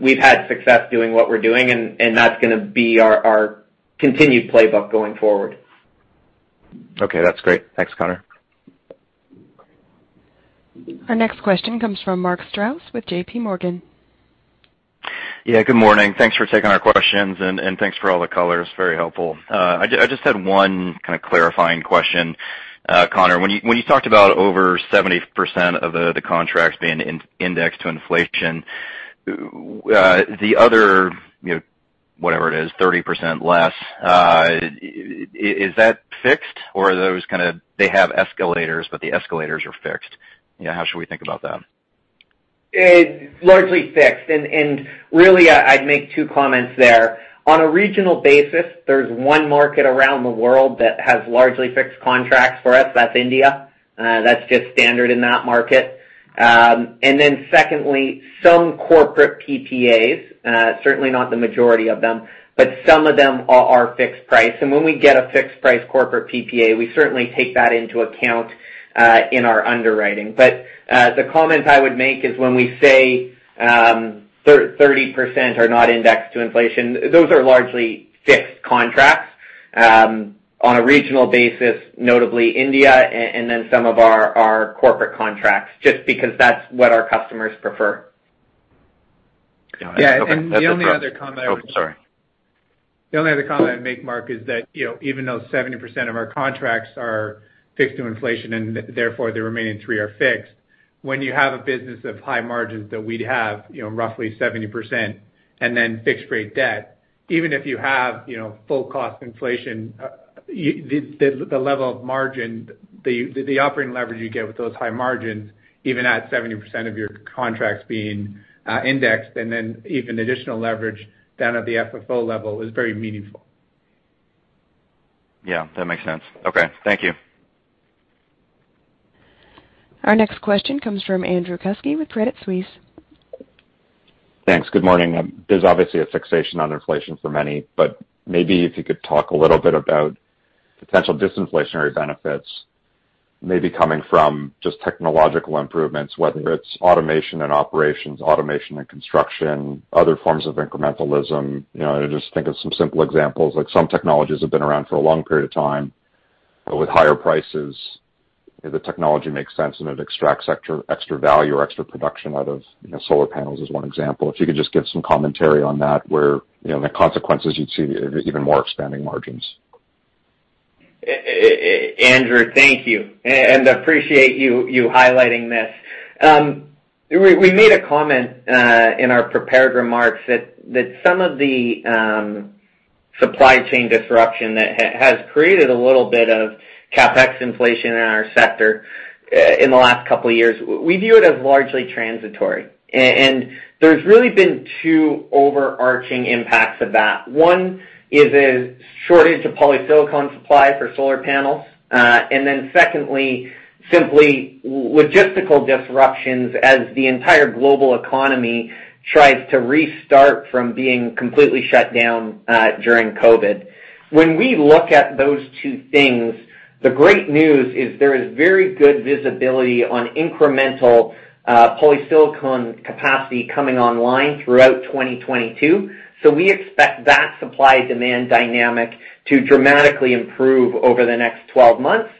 we've had success doing what we're doing, and that's gonna be our continued playbook going forward. Okay, that's great. Thanks, Connor. Our next question comes from Mark Strouse with JPMorgan. Yeah, good morning. Thanks for taking our questions and thanks for all the color. Very helpful. I just had one kind of clarifying question. Connor, when you talked about over 70% of the contracts being inflation-indexed to inflation, the other, you know, whatever it is, 30% or less, is that fixed or are those kind of they have escalators, but the escalators are fixed? You know, how should we think about that? It's largely fixed. I'd make two comments there. On a regional basis, there's one market around the world that has largely fixed contracts for us. That's India. That's just standard in that market. Secondly, some corporate PPAs, certainly not the majority of them, but some of them are fixed price. When we get a fixed price corporate PPA, we certainly take that into account in our underwriting. The comment I would make is when we say 30% are not indexed to inflation, those are largely fixed contracts on a regional basis, notably India and then some of our corporate contracts, just because that's what our customers prefer. Got it. Okay. That's. Yeah, the only other comment I would. Oh, sorry. The only other comment I'd make, Mark, is that, you know, even though 70% of our contracts are fixed to inflation and therefore the remaining thirty are fixed, when you have a business of high margins that we'd have, you know, roughly 70% and then fixed rate debt, even if you have, you know, full cost inflation, the level of margin, the operating leverage you get with those high margins, even at 70% of your contracts being indexed and then even additional leverage down at the FFO level is very meaningful. Yeah, that makes sense. Okay. Thank you. Our next question comes from Andrew Kuske with Credit Suisse. Thanks. Good morning. There's obviously a fixation on inflation for many, but maybe if you could talk a little bit about potential disinflationary benefits maybe coming from just technological improvements, whether it's automation and operations, automation and construction, other forms of incrementalism. You know, I just think of some simple examples, like some technologies have been around for a long period of time, but with higher prices, if the technology makes sense and it extracts extra value or extra production out of, you know, solar panels is one example. If you could just give some commentary on that where, you know, the consequences you'd see even more expanding margins. Andrew, thank you and appreciate you highlighting this. We made a comment in our prepared remarks that some of the supply chain disruption that has created a little bit of CapEx inflation in our sector in the last couple of years. We view it as largely transitory. There's really been two overarching impacts of that. One is a shortage of polysilicon supply for solar panels. And then secondly, simply logistical disruptions as the entire global economy tries to restart from being completely shut down during COVID. When we look at those two things, the great news is there is very good visibility on incremental polysilicon capacity coming online throughout 2022. We expect that supply-demand dynamic to dramatically improve over the next 12 months.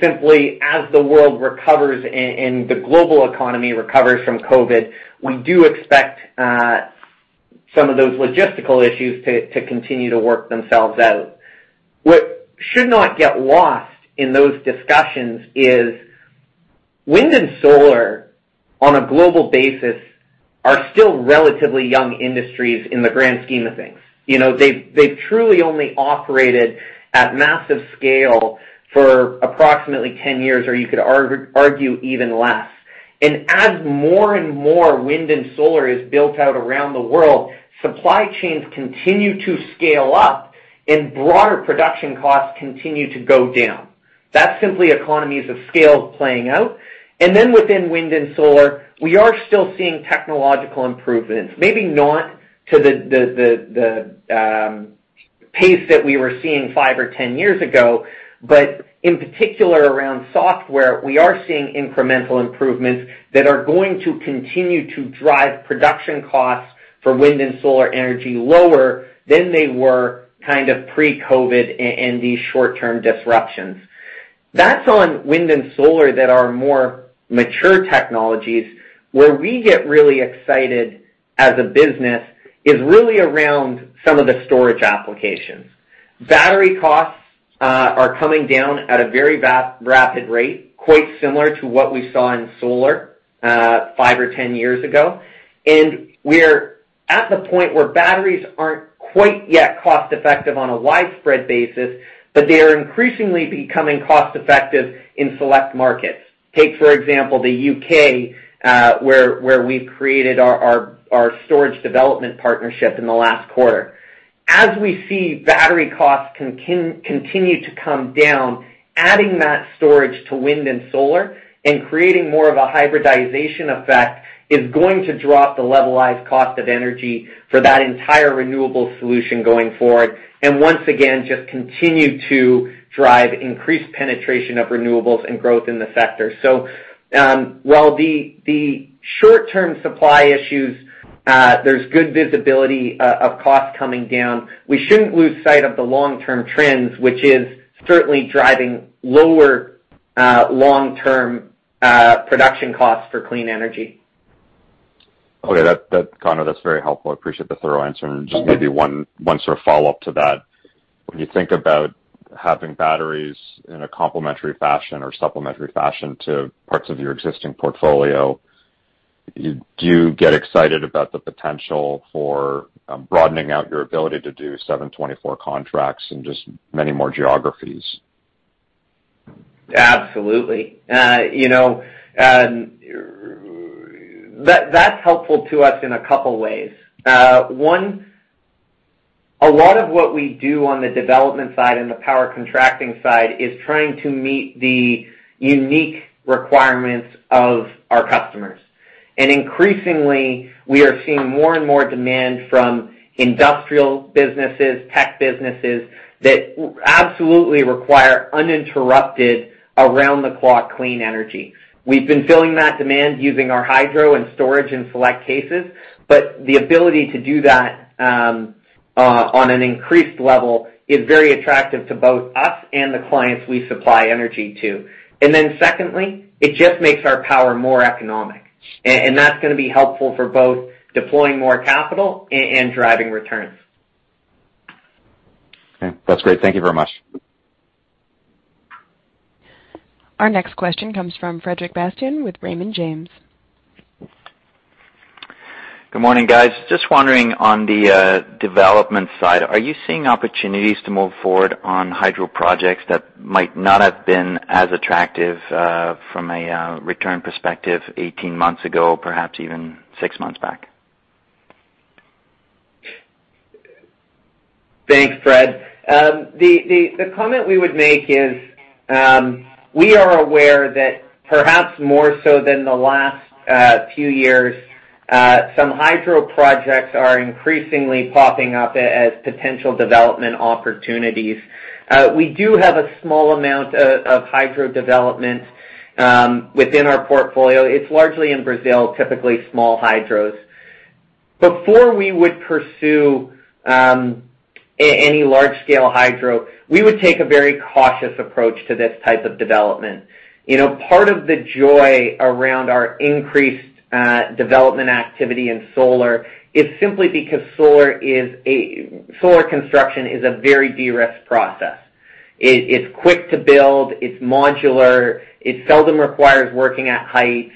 Simply, as the world recovers and the global economy recovers from COVID, we do expect some of those logistical issues to continue to work themselves out. What should not get lost in those discussions is wind and solar on a global basis are still relatively young industries in the grand scheme of things. You know, they've truly only operated at massive scale for approximately 10 years, or you could argue even less. As more and more wind and solar is built out around the world, supply chains continue to scale up and broader production costs continue to go down. That's simply economies of scale playing out. Within wind and solar, we are still seeing technological improvements, maybe not to the pace that we were seeing five or 10 years ago, but in particular around software, we are seeing incremental improvements that are going to continue to drive production costs for wind and solar energy lower than they were kind of pre-COVID and these short-term disruptions. That's on wind and solar that are more mature technologies. Where we get really excited as a business is really around some of the storage applications. Battery costs are coming down at a very rapid rate, quite similar to what we saw in solar five or 10 years ago. We're at the point where batteries aren't quite yet cost-effective on a widespread basis, but they are increasingly becoming cost-effective in select markets. Take, for example, the U.K., where we've created our storage development partnership in the last quarter. As we see battery costs continue to come down, adding that storage to wind and solar and creating more of a hybridization effect is going to drop the levelized cost of energy for that entire renewable solution going forward. Once again, just continue to drive increased penetration of renewables and growth in the sector. While the short-term supply issues, there's good visibility of costs coming down. We shouldn't lose sight of the long-term trends, which is certainly driving lower long-term production costs for clean energy. Okay. Connor, that's very helpful. I appreciate the thorough answer. Mm-hmm. Just maybe one sort of follow-up to that. When you think about having batteries in a complementary fashion or supplementary fashion to parts of your existing portfolio, do you get excited about the potential for broadening out your ability to do 7x24 contracts in just many more geographies? Absolutely. You know, that that's helpful to us in a couple ways. One, a lot of what we do on the development side and the power contracting side is trying to meet the unique requirements of our customers. Increasingly, we are seeing more and more demand from industrial businesses, tech businesses that absolutely require uninterrupted around-the-clock clean energy. We've been filling that demand using our hydro and storage in select cases, but the ability to do that on an increased level is very attractive to both us and the clients we supply energy to. Then secondly, it just makes our power more economic. That's gonna be helpful for both deploying more capital and driving returns. Okay. That's great. Thank you very much. Our next question comes from Frederic Bastien with Raymond James. Good morning, guys. Just wondering on the development side, are you seeing opportunities to move forward on hydro projects that might not have been as attractive from a return perspective 18 months ago, perhaps even six months back? Thanks, Fred. The comment we would make is, we are aware that perhaps more so than the last few years, some hydro projects are increasingly popping up as potential development opportunities. We do have a small amount of hydro development within our portfolio. It's largely in Brazil, typically small hydros. Before we would pursue any large-scale hydro, we would take a very cautious approach to this type of development. You know, part of the joy around our increased development activity in solar is simply because solar is a solar construction is a very de-risk process. It's quick to build. It's modular. It seldom requires working at heights.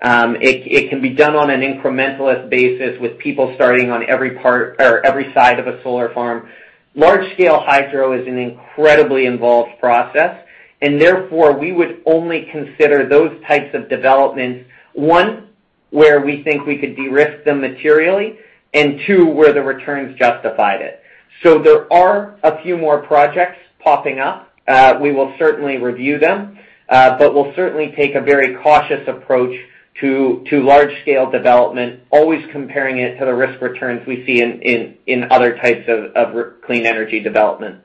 It can be done on an incrementalist basis with people starting on every part or every side of a solar farm. Large-scale hydro is an incredibly involved process, and therefore, we would only consider those types of developments, one, where we think we could de-risk them materially, and two, where the returns justified it. There are a few more projects popping up. We will certainly review them, but we'll certainly take a very cautious approach to large-scale development, always comparing it to the risk returns we see in other types of clean energy development.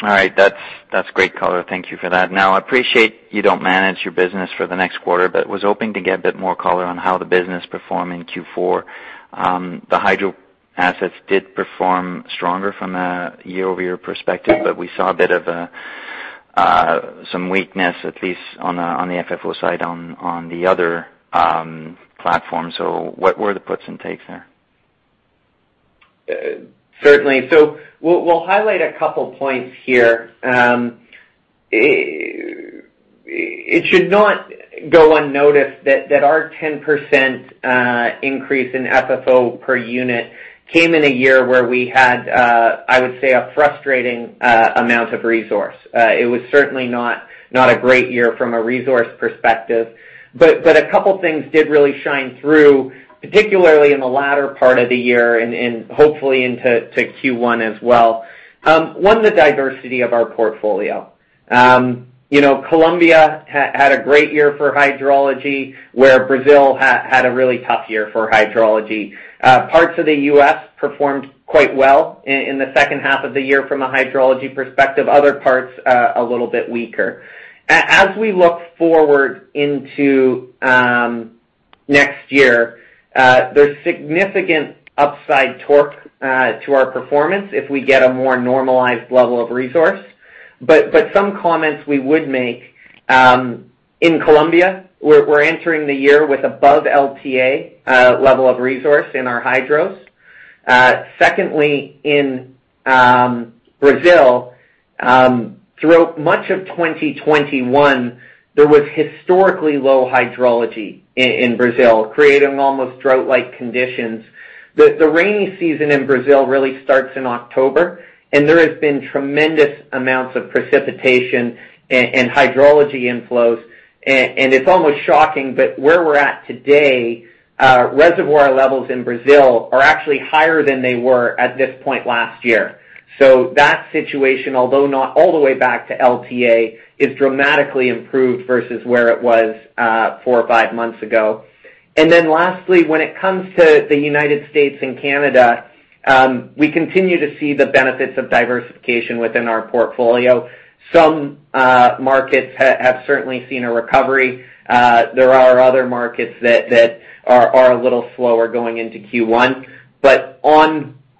All right. That's great color. Thank you for that. Now, I appreciate you don't manage your business for the next quarter, but was hoping to get a bit more color on how the business performed in Q4. The hydro assets did perform stronger from a year-over-year perspective. Mm-hmm. We saw a bit of some weakness, at least on the FFO side, on the other platforms. What were the puts and takes there? Certainly. We'll highlight a couple points here. It should not go unnoticed that our 10% increase in FFO per unit came in a year where we had I would say, a frustrating amount of resource. It was certainly not a great year from a resource perspective. A couple things did really shine through, particularly in the latter part of the year and hopefully into Q1 as well. One, the diversity of our portfolio. You know, Colombia had a great year for hydrology, where Brazil had a really tough year for hydrology. Parts of the U.S. performed quite well in the second half of the year from a hydrology perspective, other parts a little bit weaker. As we look forward into next year, there's significant upside torque to our performance if we get a more normalized level of resource. Some comments we would make in Colombia, we're entering the year with above LTA level of resource in our hydros. Secondly, in Brazil, throughout much of 2021, there was historically low hydrology in Brazil, creating almost drought-like conditions. The rainy season in Brazil really starts in October, and there has been tremendous amounts of precipitation and hydrology inflows. It's almost shocking, but where we're at today, reservoir levels in Brazil are actually higher than they were at this point last year. That situation, although not all the way back to LTA, is dramatically improved versus where it was four or five months ago. When it comes to the United States and Canada, we continue to see the benefits of diversification within our portfolio. Some markets have certainly seen a recovery. There are other markets that are a little slower going into Q1.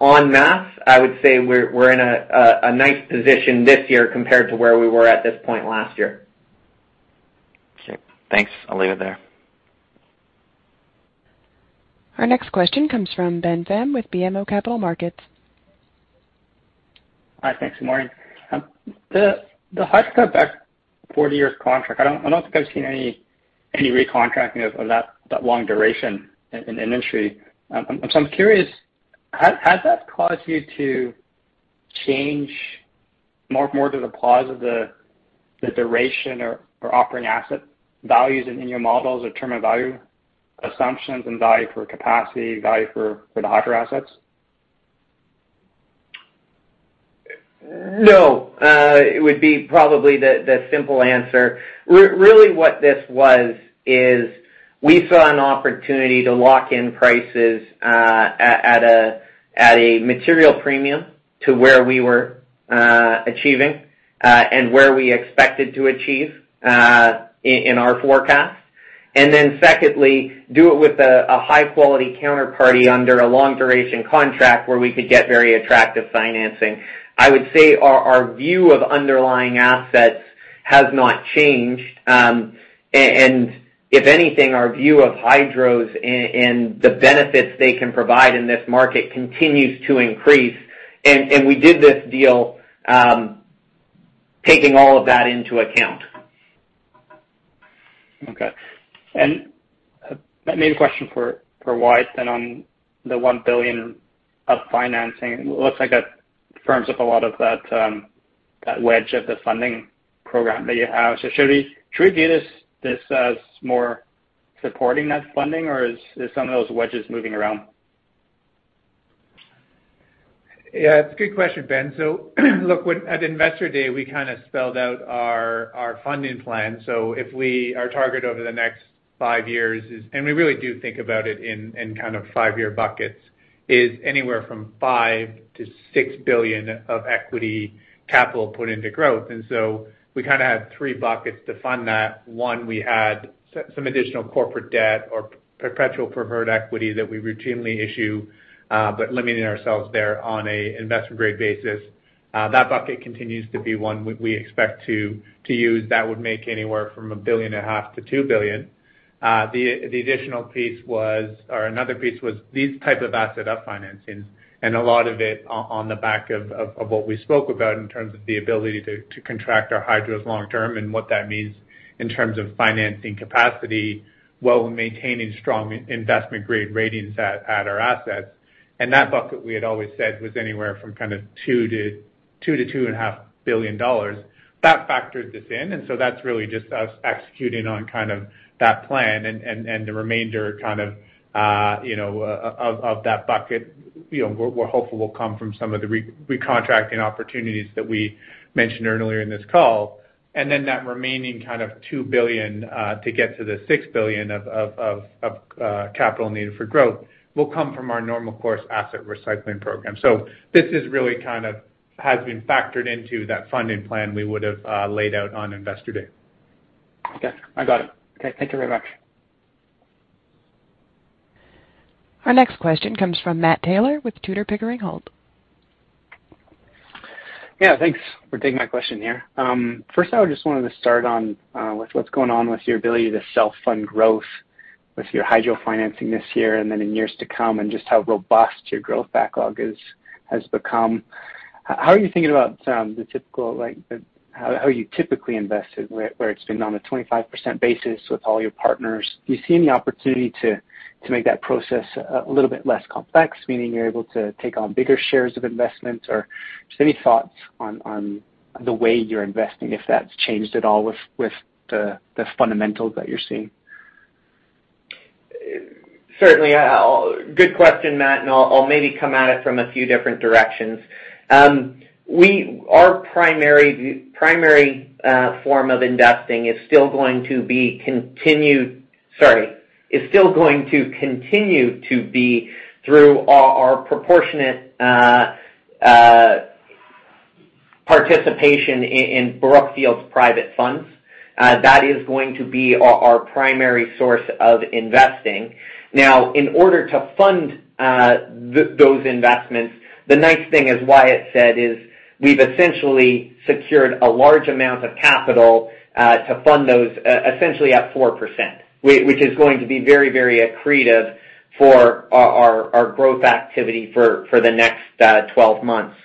On math, I would say we're in a nice position this year compared to where we were at this point last year. Okay. Thanks. I'll leave it there. Our next question comes from Ben Pham with BMO Capital Markets. Hi. Thanks, good morning. The hydro back 40 years contract, I don't think I've seen any recontracting of that long duration in the industry. I'm curious, has that caused you to change more to the post of the duration or offering asset values in your models or term of value assumptions and value for capacity, value for the hydro assets? No. It would be probably the simple answer. Really, what this was is we saw an opportunity to lock in prices at a material premium to where we were achieving and where we expected to achieve in our forecast. Then secondly, do it with a high-quality counterparty under a long-duration contract where we could get very attractive financing. I would say our view of underlying assets has not changed. If anything, our view of hydros and the benefits they can provide in this market continues to increase. We did this deal taking all of that into account. Okay. Maybe a question for Wyatt then on the $1 billion of financing. Looks like that firms up a lot of that wedge of the funding program that you have. Should we view this as more supporting that funding, or is some of those wedges moving around? Yeah, it's a good question, Ben. Look, when at Investor Day, we kinda spelled out our funding plan. Our target over the next five years is, and we really do think about it in kind of five-year buckets, anywhere from $5 billion-$6 billion of equity capital put into growth. We kinda have three buckets to fund that. One, we had some additional corporate debt or perpetual preferred equity that we routinely issue, but limiting ourselves there on an investment-grade basis. That bucket continues to be one we expect to use. That would make anywhere from $1.5 billion-$2 billion. The additional piece was, or another piece was this type of asset up-financings, and a lot of it on the back of what we spoke about in terms of the ability to contract our hydros long term and what that means in terms of financing capacity while maintaining strong investment-grade ratings at our assets. That bucket, we had always said, was anywhere from kind of $2 billion-$2.5 billion. That factored this in, and so that's really just us executing on kind of that plan. The remainder kind of, you know, of that bucket, you know, we're hopeful will come from some of the recontracting opportunities that we mentioned earlier in this call. That remaining kind of $2 billion to get to the $6 billion of capital needed for growth will come from our normal course asset recycling program. This is really kind of has been factored into that funding plan we would've laid out on Investor Day. Okay. I got it. Okay, thank you very much. Our next question comes from Matt Taylor with Tudor, Pickering, Holt. Yeah, thanks for taking my question here. First I just wanted to start on with what's going on with your ability to self-fund growth with your hydro financing this year and then in years to come and just how robust your growth backlog is, has become. How are you thinking about the typical, like how you typically invested where it's been on a 25% basis with all your partners? Do you see any opportunity to make that process a little bit less complex, meaning you're able to take on bigger shares of investments? Or just any thoughts on the way you're investing, if that's changed at all with the fundamentals that you're seeing? Certainly. Good question, Matt, and I'll maybe come at it from a few different directions. Our primary form of investing is still going to continue to be through our proportionate participation in Brookfield's private funds. That is going to be our primary source of investing. Now, in order to fund those investments, the nice thing, as Wyatt said, is we've essentially secured a large amount of capital to fund those essentially at 4%, which is going to be very accretive for our growth activity for the next 12 months.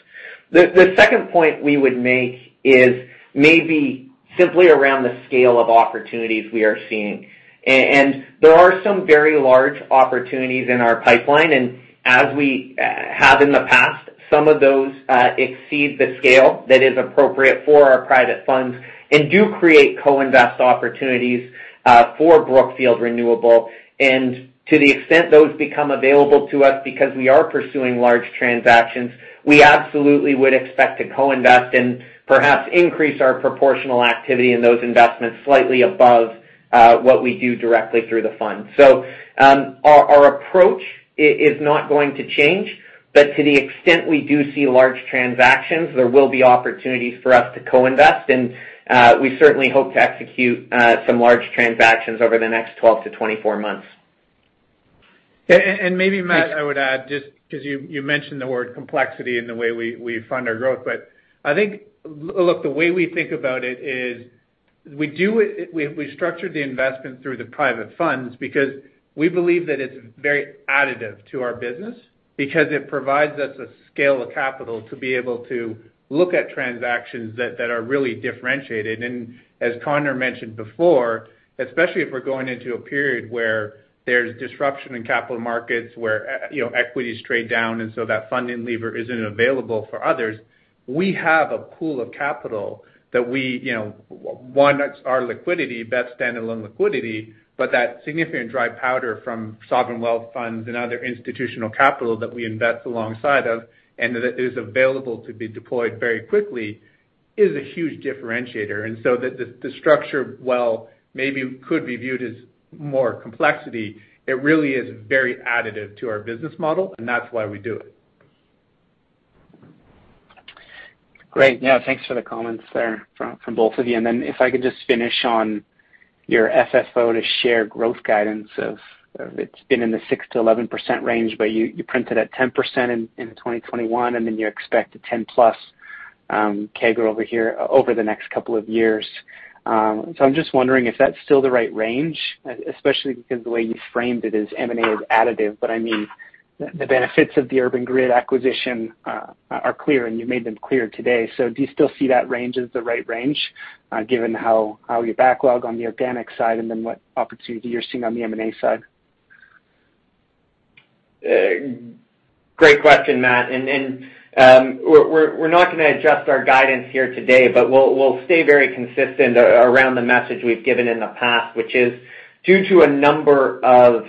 The second point we would make is maybe simply around the scale of opportunities we are seeing. There are some very large opportunities in our pipeline, and as we have in the past, some of those exceed the scale that is appropriate for our private funds and do create co-invest opportunities for Brookfield Renewable. To the extent those become available to us because we are pursuing large transactions, we absolutely would expect to co-invest and perhaps increase our proportional activity in those investments slightly above what we do directly through the fund. Our approach is not going to change, but to the extent we do see large transactions, there will be opportunities for us to co-invest, and we certainly hope to execute some large transactions over the next 12-24 months. Maybe, Matt, I would add, just 'cause you mentioned the word complexity in the way we fund our growth. I think, look, the way we think about it is we do it. We structured the investment through the private funds because we believe that it's very additive to our business because it provides us a scale of capital to be able to look at transactions that are really differentiated. As Connor mentioned before, especially if we're going into a period where there's disruption in capital markets, where you know, equities trade down and so that funding lever isn't available for others, we have a pool of capital that we you know own that's our liquidity, that standalone liquidity, but that significant dry powder from sovereign wealth funds and other institutional capital that we invest alongside of and that is available to be deployed very quickly is a huge differentiator. The structure, while maybe could be viewed as more complexity, it really is very additive to our business model, and that's why we do it. Great. Yeah, thanks for the comments there from both of you. If I could just finish on your FFO per share growth guidance of it's been in the 6%-11% range, but you printed at 10% in 2021, and then you expect a 10+ CAGR over the next couple of years. I'm just wondering if that's still the right range, especially because the way you framed it is M&A is additive, but I mean the benefits of the Urban Grid acquisition are clear, and you made them clear today. Do you still see that range as the right range, given your backlog on the organic side and then what opportunity you're seeing on the M&A side? Great question, Matt. We're not gonna adjust our guidance here today, but we'll stay very consistent around the message we've given in the past, which is due to a number of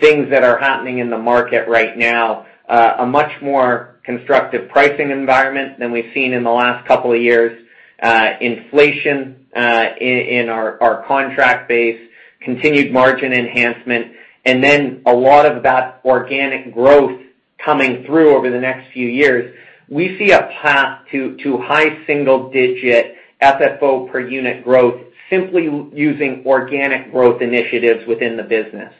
things that are happening in the market right now, a much more constructive pricing environment than we've seen in the last couple of years, inflation in our contract base, continued margin enhancement, and then a lot of that organic growth coming through over the next few years. We see a path to high single digit FFO per unit growth simply using organic growth initiatives within the business.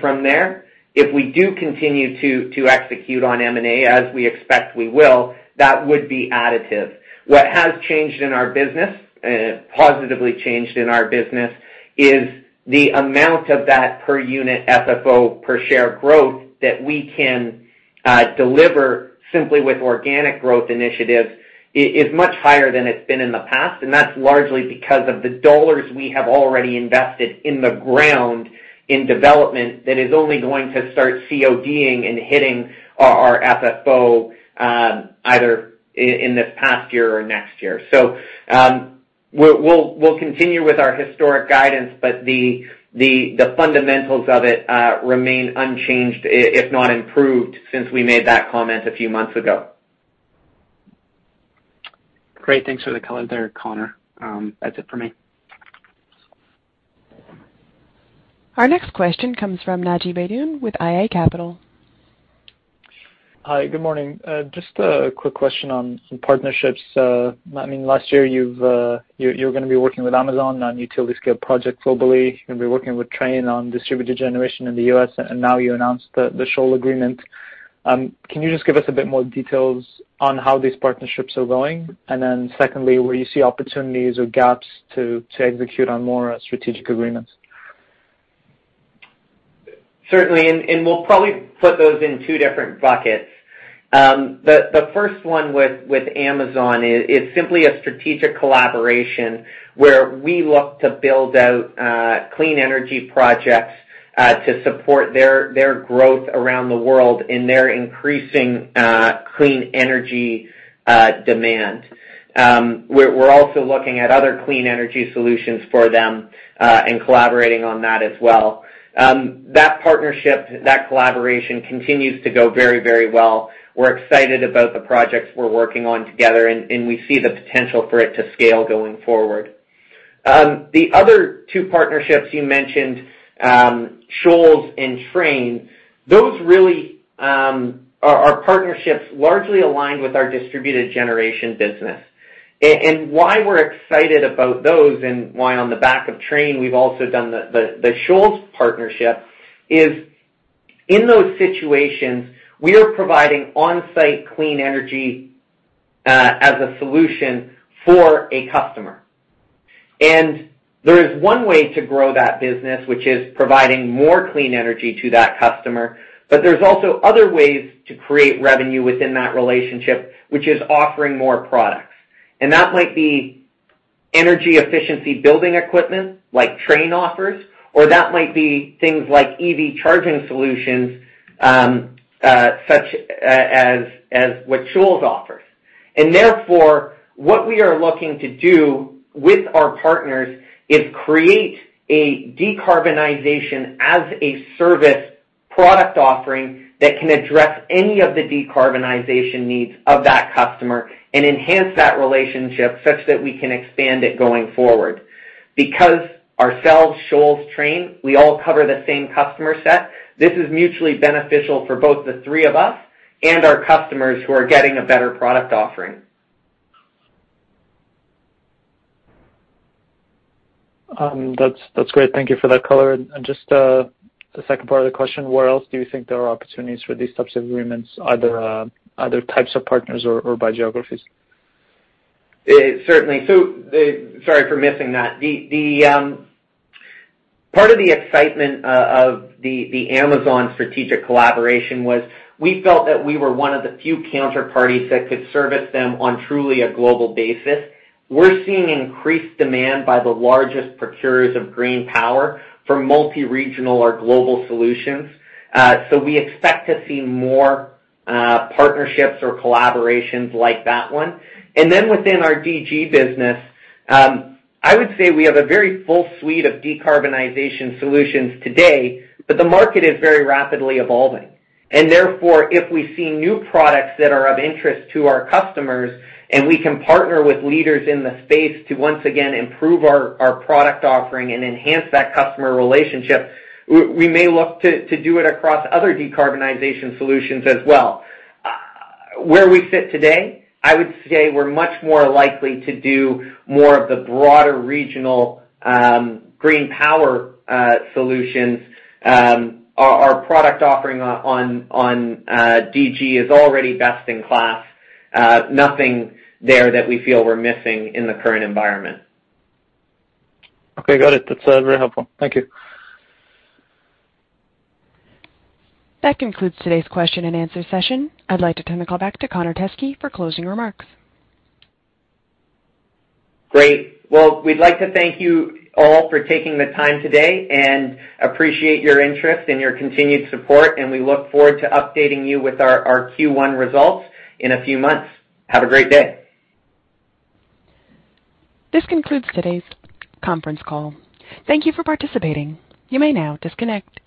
From there, if we do continue to execute on M&A as we expect we will, that would be additive. What has changed in our business, positively changed in our business, is the amount of that per unit FFO per share growth that we can deliver simply with organic growth initiatives is much higher than it's been in the past, and that's largely because of the dollars we have already invested in the ground in development that is only going to start COD-ing and hitting our FFO, either in this past year or next year. We'll continue with our historic guidance, but the fundamentals of it remain unchanged, if not improved since we made that comment a few months ago. Great. Thanks for the color there, Connor. That's it for me. Our next question comes from Naji Baydoun with iA Capital Markets. Hi, good morning. Just a quick question on partnerships. I mean, last year you're gonna be working with Amazon on utility-scale projects globally. You're gonna be working with Trane on distributed generation in the U.S., and now you announced the Shoals agreement. Can you just give us a bit more details on how these partnerships are going? And then secondly, where you see opportunities or gaps to execute on more strategic agreements. Certainly. We'll probably put those in two different buckets. The first one with Amazon is simply a strategic collaboration where we look to build out clean energy projects to support their growth around the world in their increasing clean energy demand. We're also looking at other clean energy solutions for them and collaborating on that as well. That partnership, that collaboration continues to go very well. We're excited about the projects we're working on together, and we see the potential for it to scale going forward. The other two partnerships you mentioned, Shoals and Trane, those really are partnerships largely aligned with our distributed generation business. Why we're excited about those and why on the back of Trane, we've also done the Shoals partnership. In those situations, we are providing on-site clean energy as a solution for a customer. There is one way to grow that business, which is providing more clean energy to that customer, but there's also other ways to create revenue within that relationship, which is offering more products. That might be energy efficiency building equipment like Trane offers, or that might be things like EV charging solutions, such as what Shoals offers. Therefore, what we are looking to do with our partners is create a decarbonization as a service product offering that can address any of the decarbonization needs of that customer and enhance that relationship such that we can expand it going forward. Because ourselves, Shoals, Trane, we all cover the same customer set, this is mutually beneficial for both the three of us and our customers who are getting a better product offering. That's great. Thank you for that color. Just the second part of the question, where else do you think there are opportunities for these types of agreements, other types of partners or by geographies? Certainly. Sorry for missing that. The part of the excitement of the Amazon strategic collaboration was we felt that we were one of the few counterparties that could service them on truly a global basis. We're seeing increased demand by the largest procurers of green power for multi-regional or global solutions. We expect to see more partnerships or collaborations like that one. Within our DG business, I would say we have a very full suite of decarbonization solutions today, but the market is very rapidly evolving. Therefore, if we see new products that are of interest to our customers, and we can partner with leaders in the space to once again improve our product offering and enhance that customer relationship, we may look to do it across other decarbonization solutions as well. Where we fit today, I would say we're much more likely to do more of the broader regional green power solutions. Our product offering on DG is already best in class. Nothing there that we feel we're missing in the current environment. Okay, got it. That's very helpful. Thank you. That concludes today's question and answer session. I'd like to turn the call back to Connor Teskey for closing remarks. Great. Well, we'd like to thank you all for taking the time today and appreciate your interest and your continued support, and we look forward to updating you with our Q1 results in a few months. Have a great day. This concludes today's conference call. Thank you for participating. You may now disconnect.